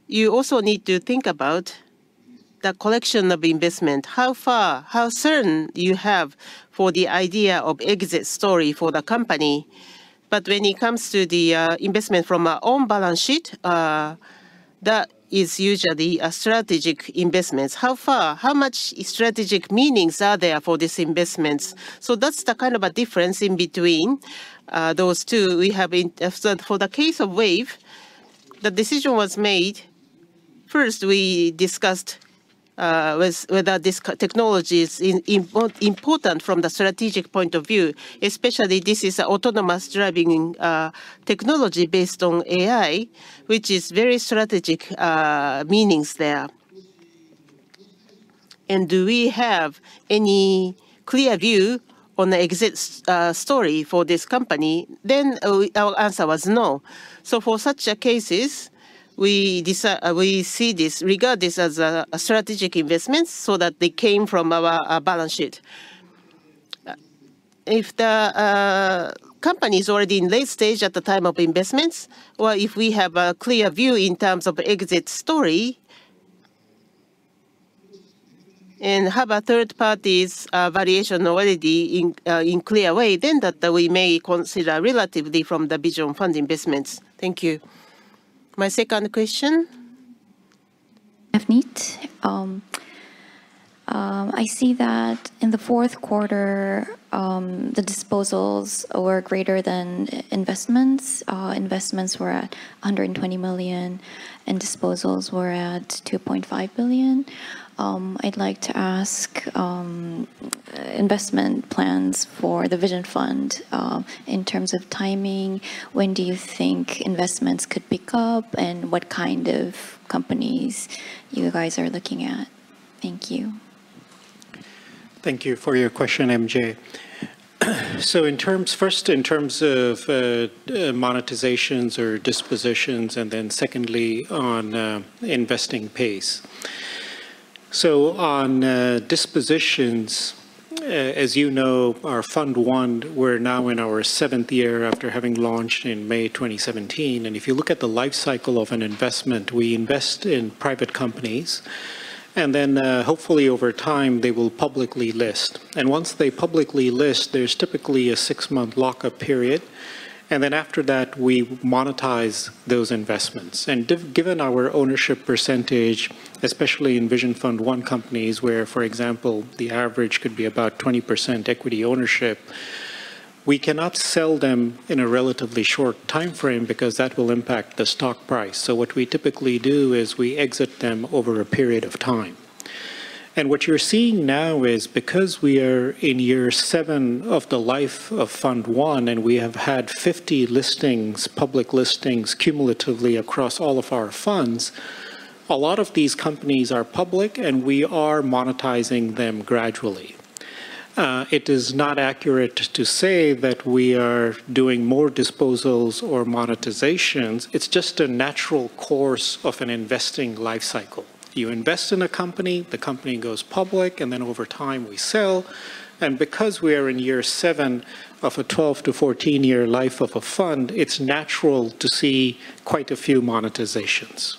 you also need to think about the collection of investment. How far, how certain you have for the idea of exit story for the company? But when it comes to the investment from our own balance sheet, that is usually a strategic investments. How far, how much strategic meanings are there for these investments? So that's the kind of a difference in between those two. So for the case of Wayve, the decision was made. First, we discussed whether this technology is important from the strategic point of view, especially this is autonomous driving technology based on AI, which is very strategic meanings there. And do we have any clear view on the exit story for this company? Then, our answer was no. So for such cases, we see this, regard this as a strategic investment so that they came from our balance sheet. If the company is already in late stage at the time of investments, or if we have a clear view in terms of exit story, and have a third party's valuation already in a clear way, then that, we may consider relatively from the Vision Fund investments. Thank you. My second question?... Navneet. I see that in the fourth quarter, the disposals were greater than investments. Investments were at $120 million, and disposals were at $2.5 billion. I'd like to ask investment plans for the Vision Fund. In terms of timing, when do you think investments could pick up, and what kind of companies you guys are looking at? Thank you. Thank you for your question, MJ. So in terms... First, in terms of monetizations or dispositions, and then secondly, on investing pace. So on dispositions, as you know, our Fund 1, we're now in our seventh year after having launched in May 2017, and if you look at the life cycle of an investment, we invest in private companies, and then hopefully, over time, they will publicly list. And once they publicly list, there's typically a six-month lock-up period, and then after that, we monetize those investments. And given our ownership percentage, especially in Vision Fund One companies, where, for example, the average could be about 20% equity ownership, we cannot sell them in a relatively short timeframe because that will impact the stock price. So what we typically do is we exit them over a period of time. What you're seeing now is because we are in year 7 of the life of Fund 1, and we have had 50 listings, public listings, cumulatively across all of our funds, a lot of these companies are public, and we are monetizing them gradually. It is not accurate to say that we are doing more disposals or monetizations. It's just a natural course of an investing life cycle. You invest in a company, the company goes public, and then over time, we sell. And because we are in year 7 of a 12- to 14-year life of a fund, it's natural to see quite a few monetizations.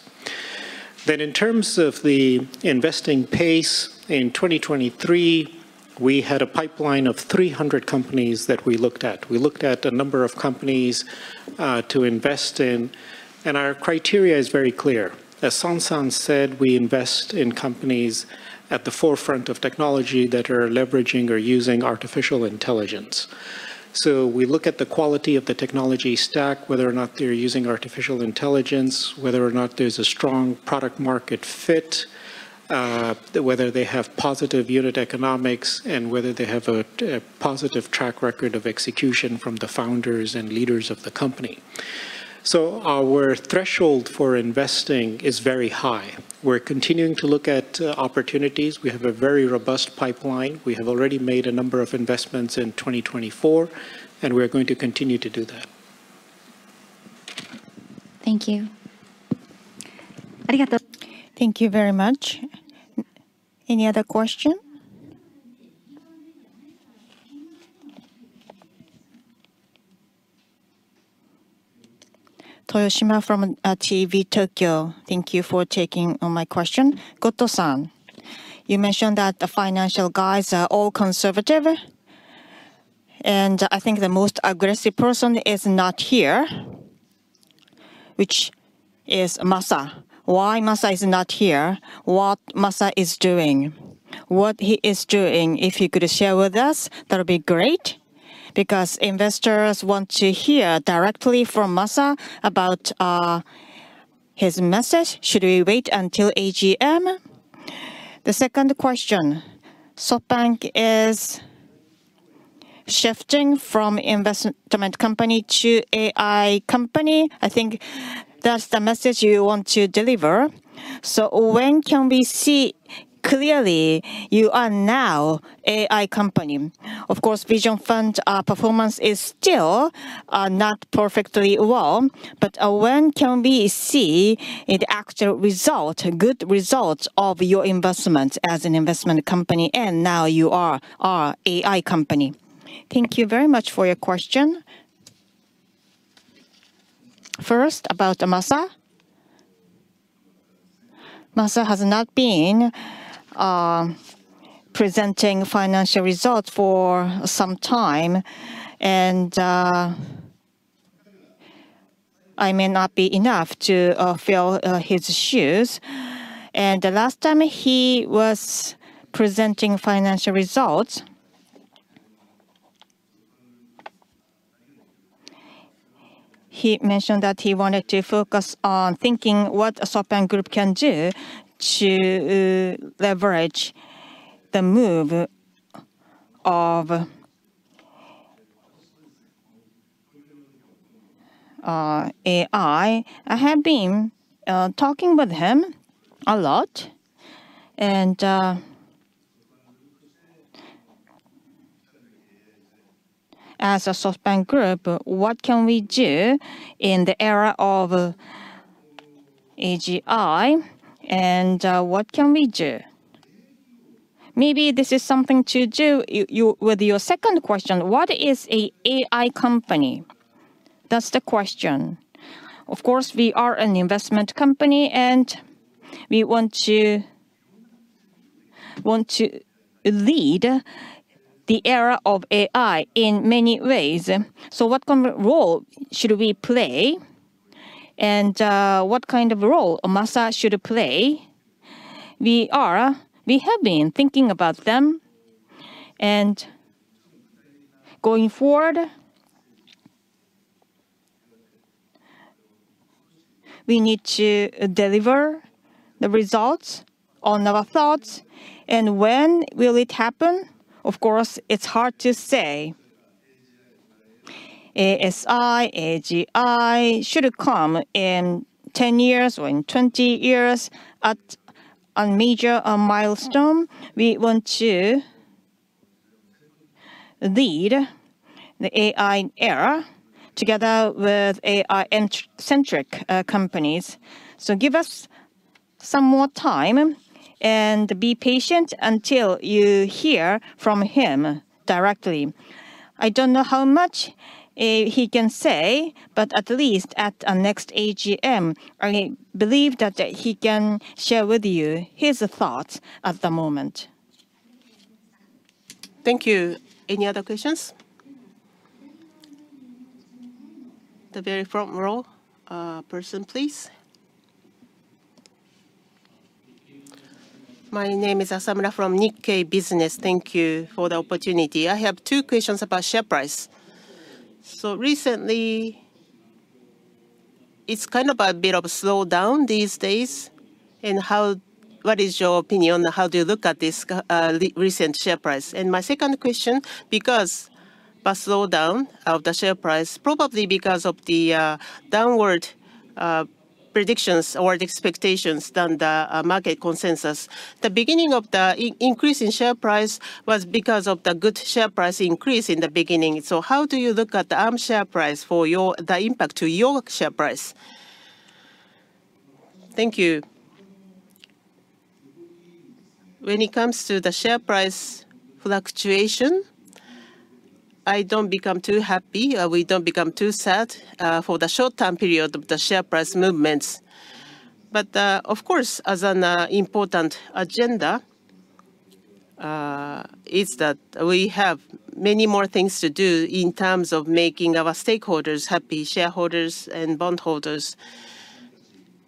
In terms of the investing pace, in 2023, we had a pipeline of 300 companies that we looked at. We looked at a number of companies to invest in, and our criteria is very clear. As Son-san said, we invest in companies at the forefront of technology that are leveraging or using artificial intelligence. So we look at the quality of the technology stack, whether or not they're using artificial intelligence, whether or not there's a strong product market fit, whether they have positive unit economics, and whether they have a positive track record of execution from the founders and leaders of the company. So our threshold for investing is very high. We're continuing to look at opportunities. We have a very robust pipeline. We have already made a number of investments in 2024, and we are going to continue to do that. Thank you. Thank you very much. Any other question? Toyoshima from TV Tokyo. Thank you for taking my question. Goto-san, you mentioned that the financial guys are all conservative, and I think the most aggressive person is not here, which is Masa. Why Masa is not here? What Masa is doing? What he is doing, if you could share with us, that would be great, because investors want to hear directly from Masa about his message. Should we wait until AGM? The second question: SoftBank is shifting from investment company to AI company. I think that's the message you want to deliver. So when can we see clearly you are now AI company? Of course, Vision Fund performance is still not perfectly well, but when can we see it actual result, good results of your investment as an investment company, and now you are a AI company? Thank you very much for your question. First, about Masa. Masa has not been presenting financial results for some time, and I may not be enough to fill his shoes. And the last time he was presenting financial results, he mentioned that he wanted to focus on thinking what a SoftBank Group can do to leverage the move of AI. I have been talking with him a lot, and as a SoftBank Group, what can we do in the era of AGI, and what can we do? Maybe this is something to do with your second question: What is an AI company? That's the question. Of course, we are an investment company, and we want to lead the era of AI in many ways. So what kind of role should we play, and what kind of role Masa should play? We have been thinking about them, and going forward, we need to deliver the results on our thoughts. When will it happen? Of course, it's hard to say. ASI, AGI should come in 10 years or in 20 years. At a major milestone, we want to lead the AI era together with AI-centric companies. So give us some more time, and be patient until you hear from him directly. I don't know how much he can say, but at least at next AGM, I believe that he can share with you his thoughts at the moment. Thank you. Any other questions? The very front row person, please. My name is Asamura from Nikkei Business. Thank you for the opportunity. I have two questions about share price. So recently, it's kind of a bit of a slowdown these days, and how... What is your opinion, how do you look at this recent share price? And my second question, because the slowdown of the share price, probably because of the downward predictions or the expectations than the market consensus, the beginning of the increase in share price was because of the good share price increase in the beginning. So how do you look at the Arm share price for your, the impact to your share price? Thank you. When it comes to the share price fluctuation, I don't become too happy, we don't become too sad, for the short-term period of the share price movements. But, of course, as an important agenda, is that we have many more things to do in terms of making our stakeholders happy, shareholders and bondholders.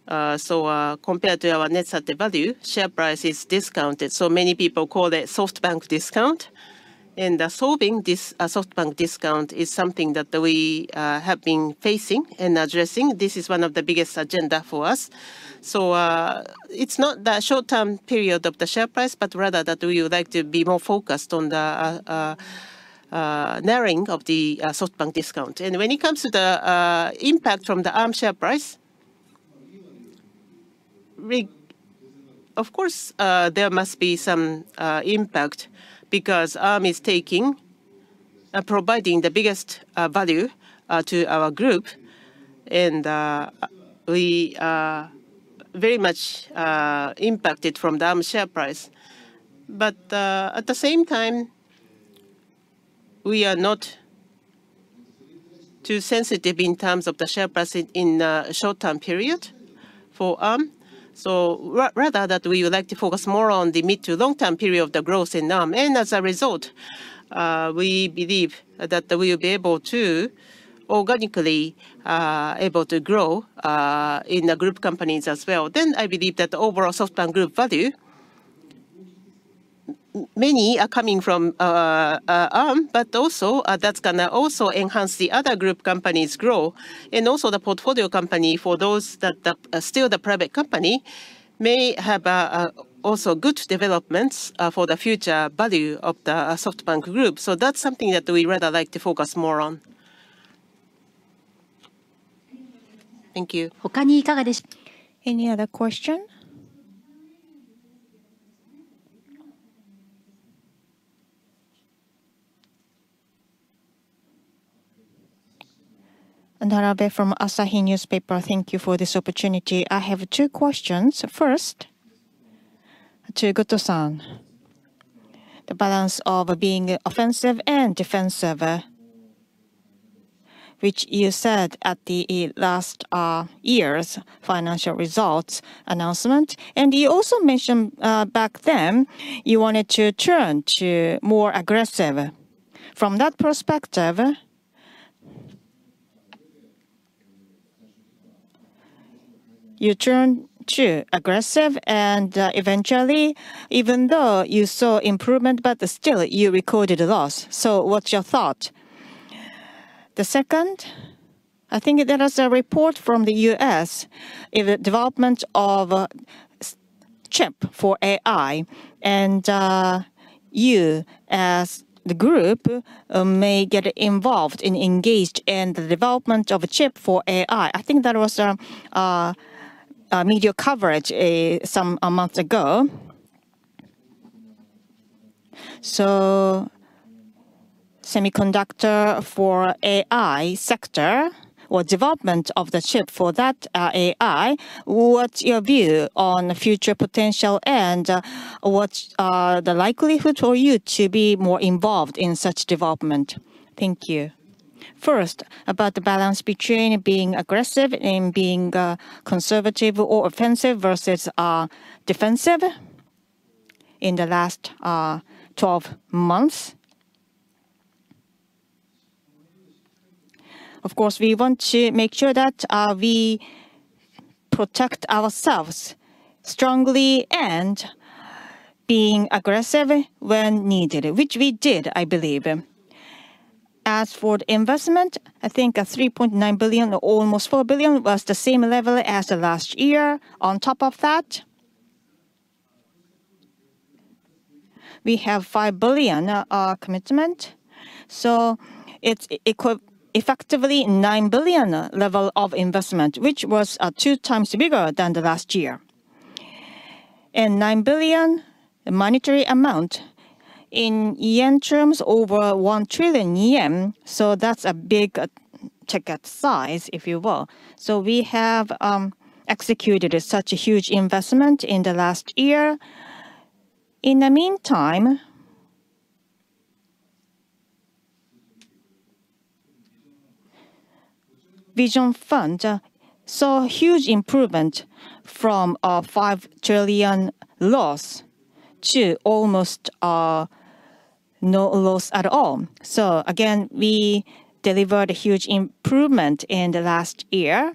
So, compared to our net asset value, share price is discounted, so many people call it SoftBank discount. And, solving this, SoftBank discount is something that we have been facing and addressing. This is one of the biggest agenda for us. So, it's not the short-term period of the share price, but rather that we would like to be more focused on the narrowing of the SoftBank discount. And when it comes to the impact from the Arm share price, we... Of course, there must be some impact, because Arm is taking, providing the biggest value to our group, and we are very much impacted from the Arm share price. But, at the same time, we are not too sensitive in terms of the share price in a short-term period for Arm. So rather that we would like to focus more on the mid to long-term period of the growth in Arm, and as a result, we believe that we'll be able to organically able to grow in the group companies as well. Then I believe that the overall SoftBank Group value, many are coming from, Arm, but also, that's gonna also enhance the other group companies' growth, and also the portfolio company for those that, that are still the private company, may have, also good developments, for the future value of the, SoftBank Group. So that's something that we rather like to focus more on. Thank you. Any other question? Narabe from The Asahi Shimbun. Thank you for this opportunity. I have two questions. First, to Goto-san, the balance of being offensive and defensive, which you said at the last year's financial results announcement, and you also mentioned back then you wanted to turn to more aggressive. From that perspective, you turned to aggressive, and eventually, even though you saw improvement, but still you recorded a loss. So what's your thought? The second, I think there was a report from the US in the development of a chip for AI, and you as the group may get involved and engaged in the development of a chip for AI. I think that was a media coverage some months ago. So, semiconductors for AI sector or development of the chip for that AI, what's your view on future potential, and what's the likelihood for you to be more involved in such development? Thank you. First, about the balance between being aggressive and being conservative or offensive versus defensive in the last 12 months. Of course, we want to make sure that we protect ourselves strongly and being aggressive when needed, which we did, I believe. As for investment, I think $3.9 billion or almost $4 billion was the same level as the last year. On top of that, we have $5 billion commitment, so it's effectively $9 billion level of investment, which was two times bigger than the last year. 9 billion monetary amount in yen terms, over 1 trillion yen, so that's a big ticket size, if you will. So we have executed such a huge investment in the last year. In the meantime, Vision Fund saw huge improvement from a 5 trillion loss to almost no loss at all. So again, we delivered a huge improvement in the last year.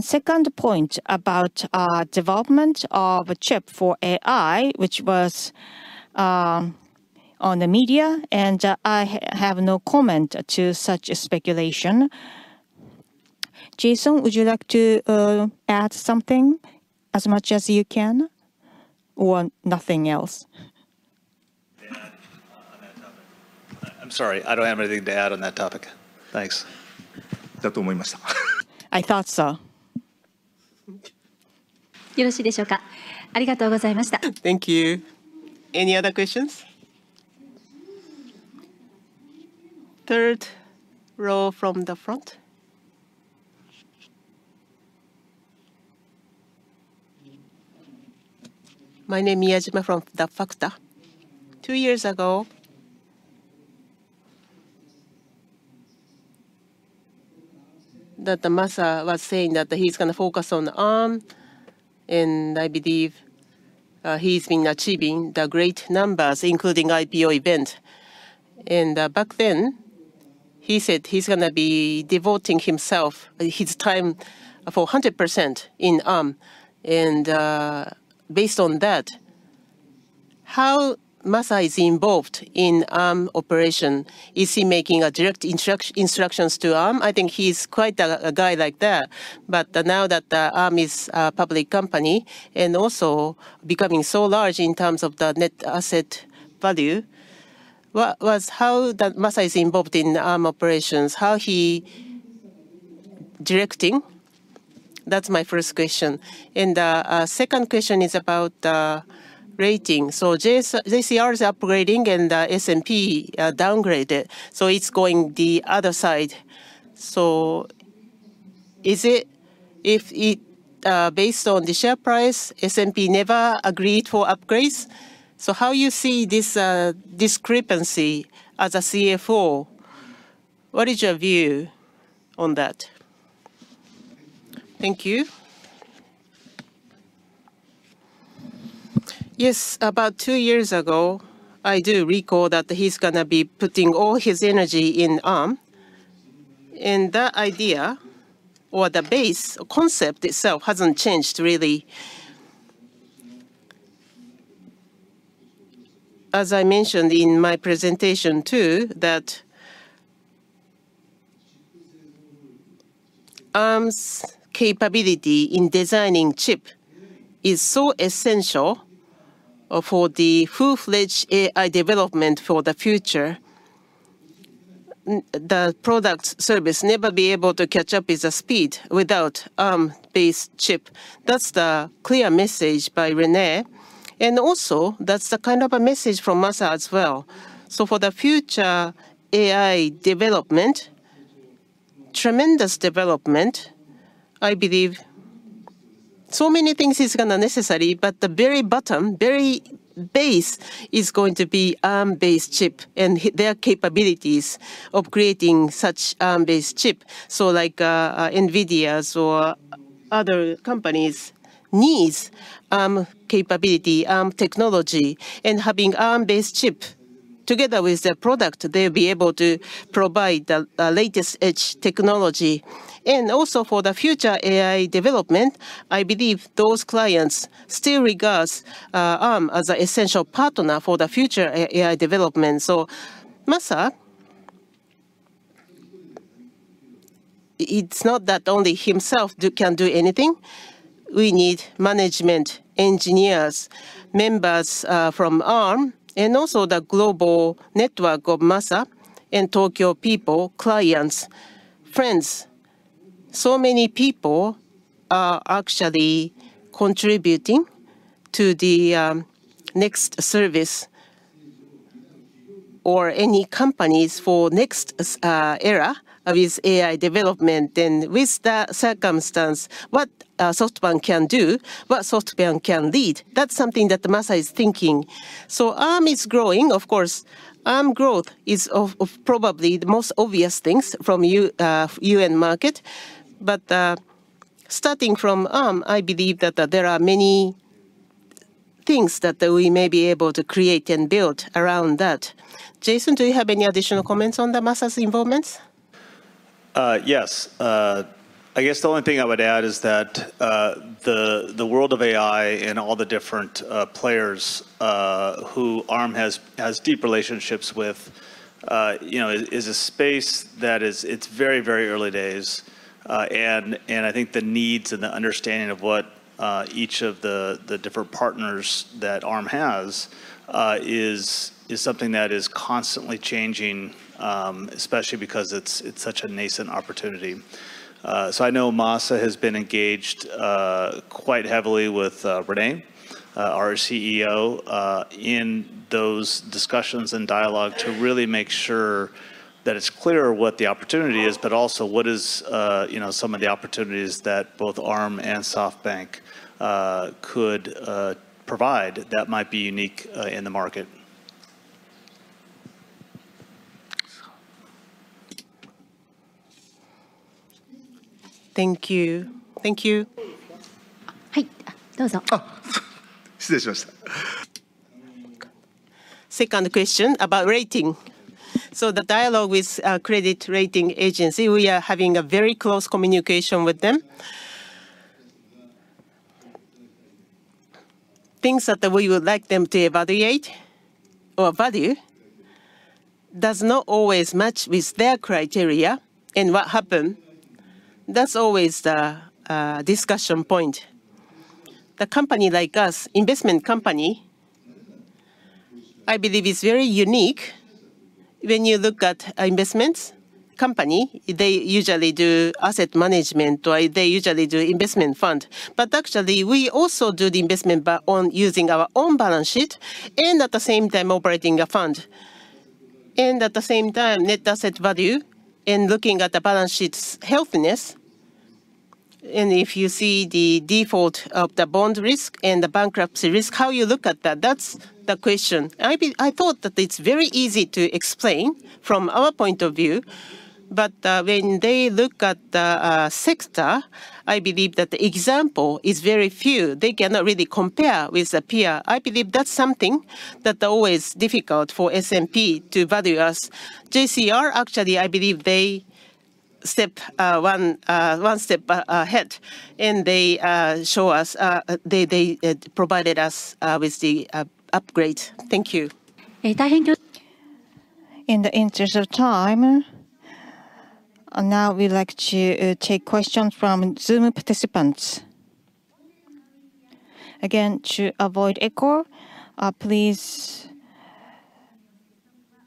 Second point about development of a chip for AI, which was in the media, and I have no comment to such speculation. Jason, would you like to add something as much as you can or nothing else? May I add on that topic? I'm sorry, I don't have anything to add on that topic. Thanks. I thought so. Thank you. Any other questions? Third row from the front. My name is Yajima from FACTA. Two years ago, that Masa was saying that he's gonna focus on Arm, and I believe, he's been achieving the great numbers, including IPO event. And, back then, he said he's gonna be devoting himself, his time, for 100% in Arm. And, based on that, how Masa is involved in Arm operation? Is he making, direct instructions to Arm? I think he's quite a guy like that, but now that, Arm is a public company and also becoming so large in terms of the net asset value, how Masa is involved in Arm operations? How he directing? That's my first question. And, second question is about, rating. So JCR is upgrading and S&P downgraded, so it's going the other side. So is it based on the share price, S&P never agreed for upgrades? So how you see this discrepancy as a CFO? What is your view on that? Thank you. Yes, about two years ago, I do recall that he's gonna be putting all his energy in Arm, and that idea or the base concept itself hasn't changed really. As I mentioned in my presentation, too, that Arm's capability in designing chip is so essential for the full-fledged AI development for the future. The product service never be able to catch up with the speed without Arm-based chip. That's the clear message by Rene, and also that's the kind of a message from Masa as well. So for the future AI development-... tremendous development, I believe so many things is gonna necessary, but the very bottom, very base, is going to be Arm-based chip and their capabilities of creating such Arm-based chip. So like, NVIDIA's or other companies needs capability, technology, and having Arm-based chip. Together with their product, they'll be able to provide the latest edge technology. And also for the future AI development, I believe those clients still regards Arm as an essential partner for the future AI development. So Masa, it's not that only himself can do anything. We need management, engineers, members from Arm, and also the global network of Masa and Tokyo people, clients, friends. So many people are actually contributing to the next service or any companies for next era with AI development. And with that circumstance, what SoftBank can do, what SoftBank can lead, that's something that Masa is thinking. So Arm is growing. Of course, Arm growth is of probably the most obvious things from U.S. market. But starting from Arm, I believe that there are many things that we may be able to create and build around that. Jason, do you have any additional comments on the Masa's involvements? Yes. I guess the only thing I would add is that the world of AI and all the different players who Arm has deep relationships with, you know, is a space that is... It's very, very early days. And I think the needs and the understanding of what each of the different partners that Arm has is something that is constantly changing, especially because it's such a nascent opportunity. So I know Masa has been engaged quite heavily with Rene, our CEO, in those discussions and dialogue to really make sure that it's clear what the opportunity is, but also what is, you know, some of the opportunities that both Arm and SoftBank could provide that might be unique in the market. Thank you. Thank you. Oh! Second question about rating. So the dialogue with credit rating agency, we are having a very close communication with them. Things that we would like them to evaluate or value does not always match with their criteria and what happen. That's always the discussion point. The company like us, investment company, I believe is very unique. When you look at investment company, they usually do asset management, or they usually do investment fund. But actually, we also do the investment by using our own balance sheet, and at the same time operating a fund. And at the same time, net asset value and looking at the balance sheet's healthiness, and if you see the default of the bond risk and the bankruptcy risk, how you look at that? That's the question. I thought that it's very easy to explain from our point of view, but when they look at the sector, I believe that the example is very few. They cannot really compare with the peer. I believe that's something that are always difficult for S&P to value us. JCR, actually, I believe they step one step ahead, and they show us they provided us with the upgrade. Thank you. In the interest of time, now we'd like to take questions from Zoom participants. Again, to avoid echo, please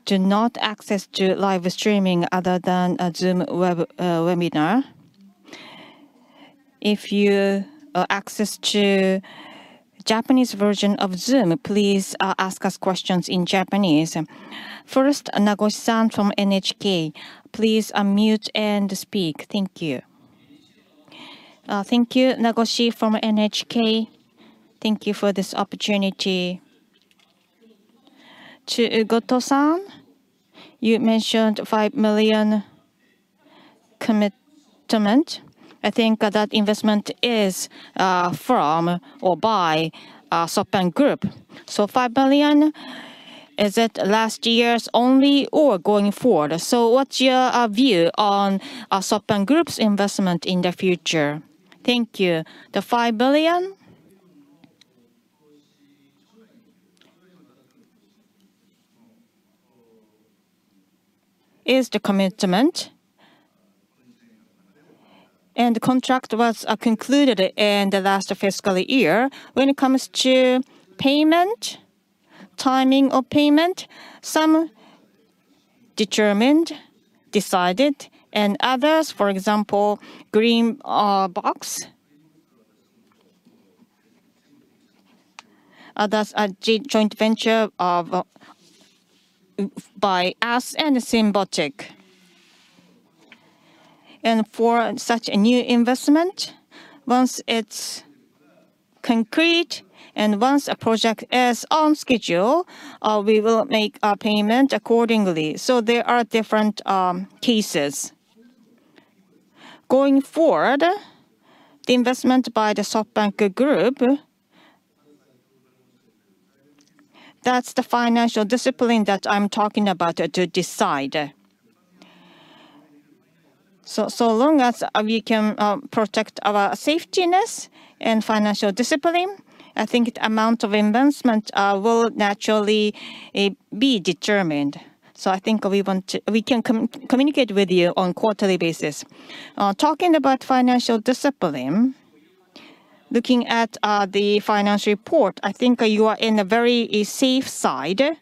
do not access to live streaming other than Zoom Webinar. If you access to Japanese version of Zoom, please ask us questions in Japanese. First, Nagoshi-san from NHK, please unmute and speak. Thank you. Thank you, Nagoshi from NHK. Thank you for this opportunity. To Goto-san, you mentioned $5 million commitment. I think that investment is from or by SoftBank Group. So $5 billion, is it last year's only or going forward? What's your view on SoftBank Group's investment in the future? Thank you. The $5 billion is the commitment, and the contract was concluded in the last fiscal year. When it comes to payment, timing of payment, some determined, decided, and others, for example, GreenBox-... that's a joint venture of, by us and Symbotic. And for such a new investment, once it's concrete, and once a project is on schedule, we will make a payment accordingly. So there are different cases. Going forward, the investment by the SoftBank Group, that's the financial discipline that I'm talking about, to decide. So, so long as we can protect our safetiness and financial discipline, I think the amount of investment will naturally be determined. So I think we want to-- we can communicate with you on quarterly basis. Talking about financial discipline, looking at the financial report, I think you are in a very safe side.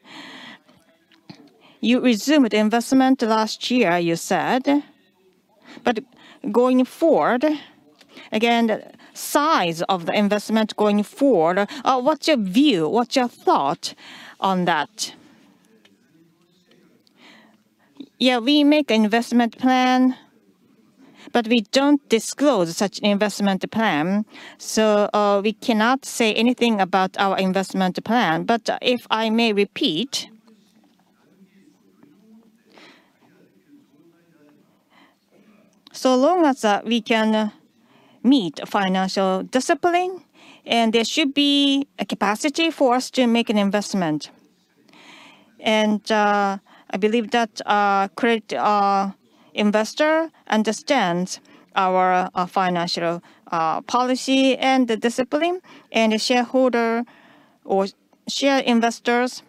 You resumed investment last year, you said, but going forward, again, the size of the investment going forward, what's your view? What's your thought on that? Yeah, we make investment plan, but we don't disclose such investment plan, so we cannot say anything about our investment plan. But if I may repeat, so long as we can meet financial discipline, and there should be a capacity for us to make an investment. I believe that credit investor understands our financial policy and the discipline, and the shareholder or share investors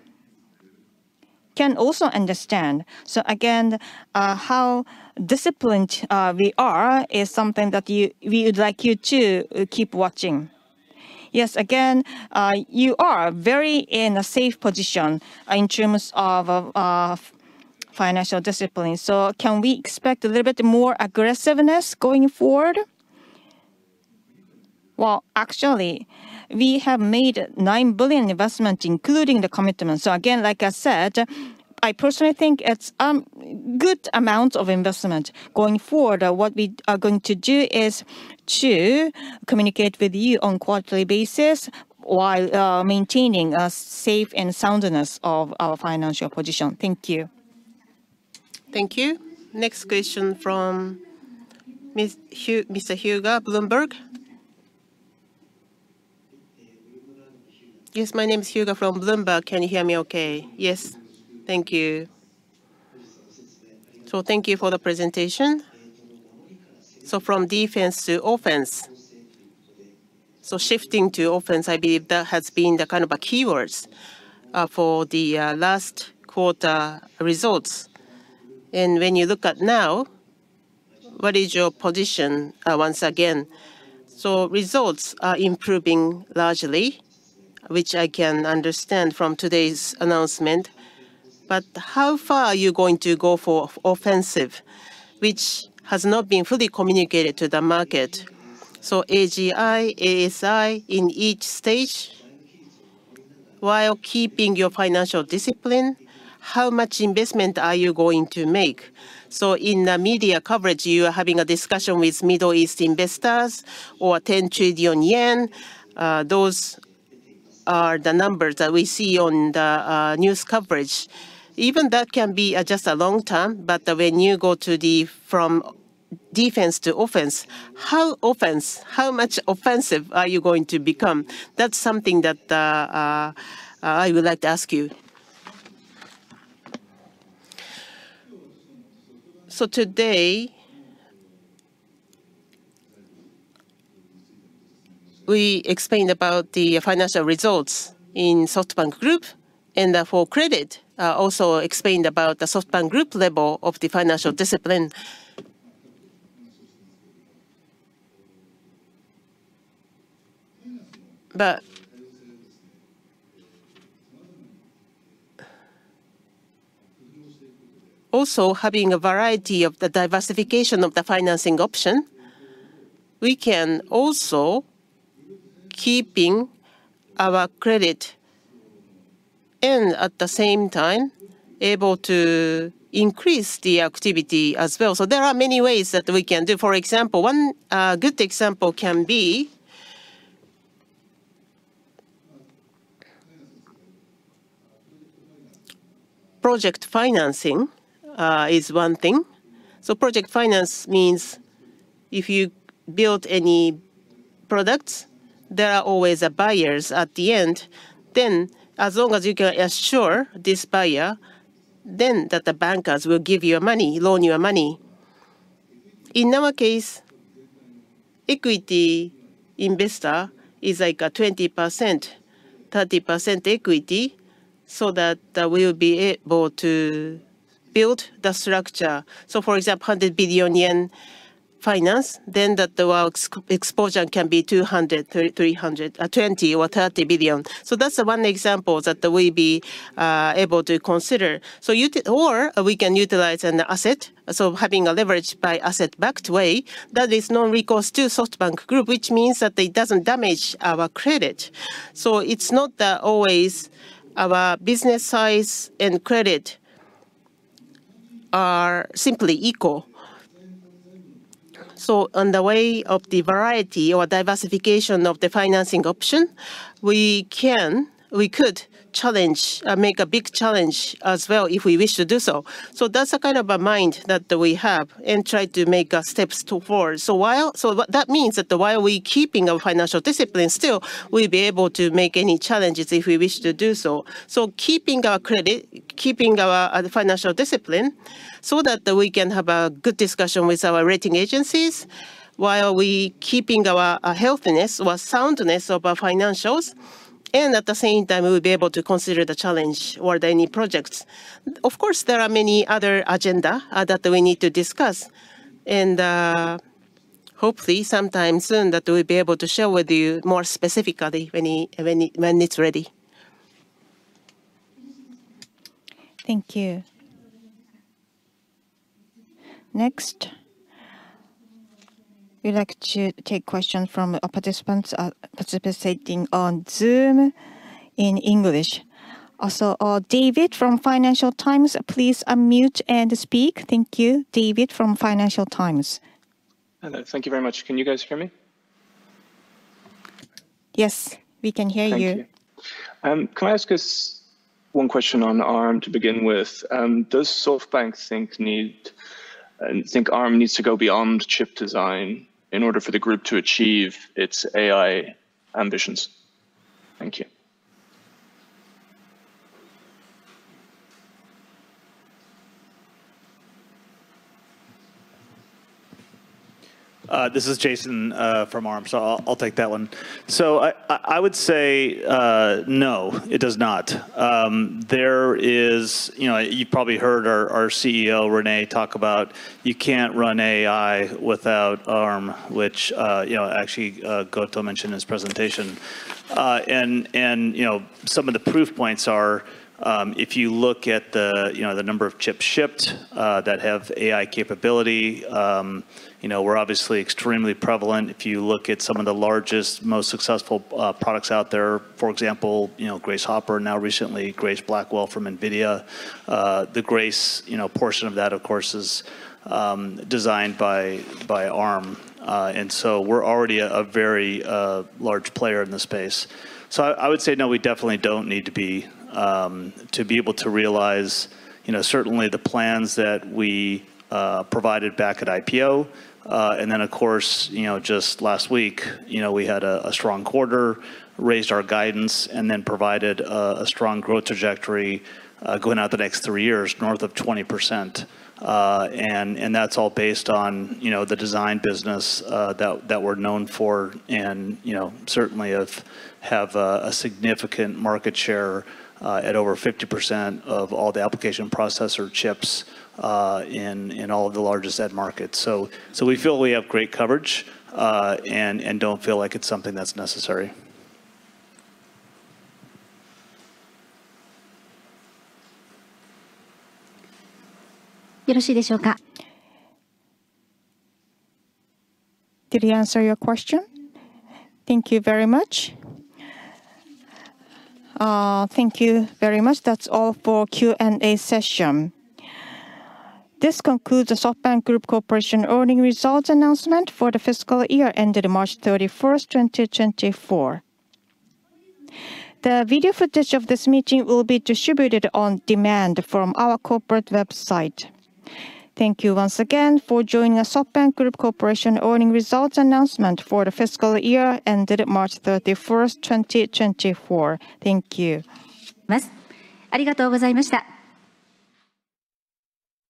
can also understand. So again, how disciplined we are is something that we would like you to keep watching. Yes, again, you are very in a safe position in terms of financial discipline. So can we expect a little bit more aggressiveness going forward? Well, actually, we have made $9 billion investment, including the commitment. So again, like I said, I personally think it's good amount of investment. Going forward, what we are going to do is to communicate with you on quarterly basis, while maintaining a safe and soundness of our financial position. Thank you. Thank you. Next question from Mr. Hyuga, Bloomberg. Yes, my name is Hyuga from Bloomberg. Can you hear me okay? Yes. Thank you. Thank you for the presentation. From defense to offense. Shifting to offense, I believe that has been the kind of a keywords for the last quarter results. When you look at now, what is your position once again? Results are improving largely, which I can understand from today's announcement, but how far are you going to go for offensive, which has not been fully communicated to the market? AGI, ASI, in each stage, while keeping your financial discipline, how much investment are you going to make? In the media coverage, you are having a discussion with Middle East investors or 10 trillion yen. Those are the numbers that we see on the news coverage. Even that can be just a long-term, but when you go from defense to offense, how offensive, how much offensive are you going to become? That's something that I would like to ask you. So today, we explained about the financial results in SoftBank Group, and for credit also explained about the SoftBank Group level of the financial discipline. But also, having a variety of the diversification of the financing option, we can also keeping our credit and at the same time, able to increase the activity as well. So there are many ways that we can do. For example, one good example can be project financing is one thing. So project finance means if you build any products, there are always buyers at the end. Then, as long as you can assure this buyer, then that the bankers will give you money, loan you money. In our case, equity investor is like a 20%-30% equity, so that we'll be able to build the structure. So, for example, 100 billion yen finance, then that the exposure can be 200 billion, 300 billion, 20 billion or 30 billion. So that's the one example that we'll be able to consider. So you or we can utilize an asset, so having a leverage by asset-backed way, that is non-recourse to SoftBank Group, which means that it doesn't damage our credit. So it's not that always our business size and credit-... are simply equal. So on the way of the variety or diversification of the financing option, we can, we could challenge, make a big challenge as well if we wish to do so. So that's a kind of a mind that we have, and try to make steps towards. So while—so what that means that while we're keeping our financial discipline, still we'll be able to make any challenges if we wish to do so. So keeping our credit, keeping our, financial discipline, so that we can have a good discussion with our rating agencies, while we keeping our, our healthiness or soundness of our financials, and at the same time, we'll be able to consider the challenge or any projects. Of course, there are many other agenda that we need to discuss, and hopefully sometime soon we'll be able to share with you more specifically when it's ready. Thank you. Next, we'd like to take questions from our participants, participating on Zoom in English. Also, David from Financial Times, please unmute and speak. Thank you, David from Financial Times. Hello. Thank you very much. Can you guys hear me? Yes, we can hear you. Thank you. Can I ask just one question on Arm to begin with? Does SoftBank think Arm needs to go beyond chip design in order for the group to achieve its AI ambitions? Thank you. This is Jason from Arm, so I'll take that one. So I would say no, it does not. There is, you know, you probably heard our CEO, Rene, talk about you can't run AI without Arm, which, you know, actually, Goto mentioned in his presentation. And, you know, some of the proof points are, if you look at the, you know, the number of chips shipped that have AI capability, you know, we're obviously extremely prevalent. If you look at some of the largest, most successful products out there, for example, you know, Grace Hopper, now recently, Grace Blackwell from NVIDIA, the Grace, you know, portion of that, of course, is designed by Arm. And so we're already a very large player in the space. So I would say no, we definitely don't need to be to be able to realize, you know, certainly the plans that we provided back at IPO. And then of course, you know, just last week, you know, we had a strong quarter, raised our guidance, and then provided a strong growth trajectory going out the next three years, north of 20%. And that's all based on, you know, the design business that we're known for and, you know, certainly have a significant market share at over 50% of all the application processor chips in all of the largest end markets. So we feel we have great coverage and don't feel like it's something that's necessary. Did he answer your question? Thank you very much. Thank you very much. That's all for Q&A session. This concludes the SoftBank Group Corporation earning results announcement for the fiscal year ended March 31, 2024. The video footage of this meeting will be distributed on demand from our corporate website. Thank you once again for joining the SoftBank Group Corporation earning results announcement for the fiscal year ended March 31, 2024. Thank you.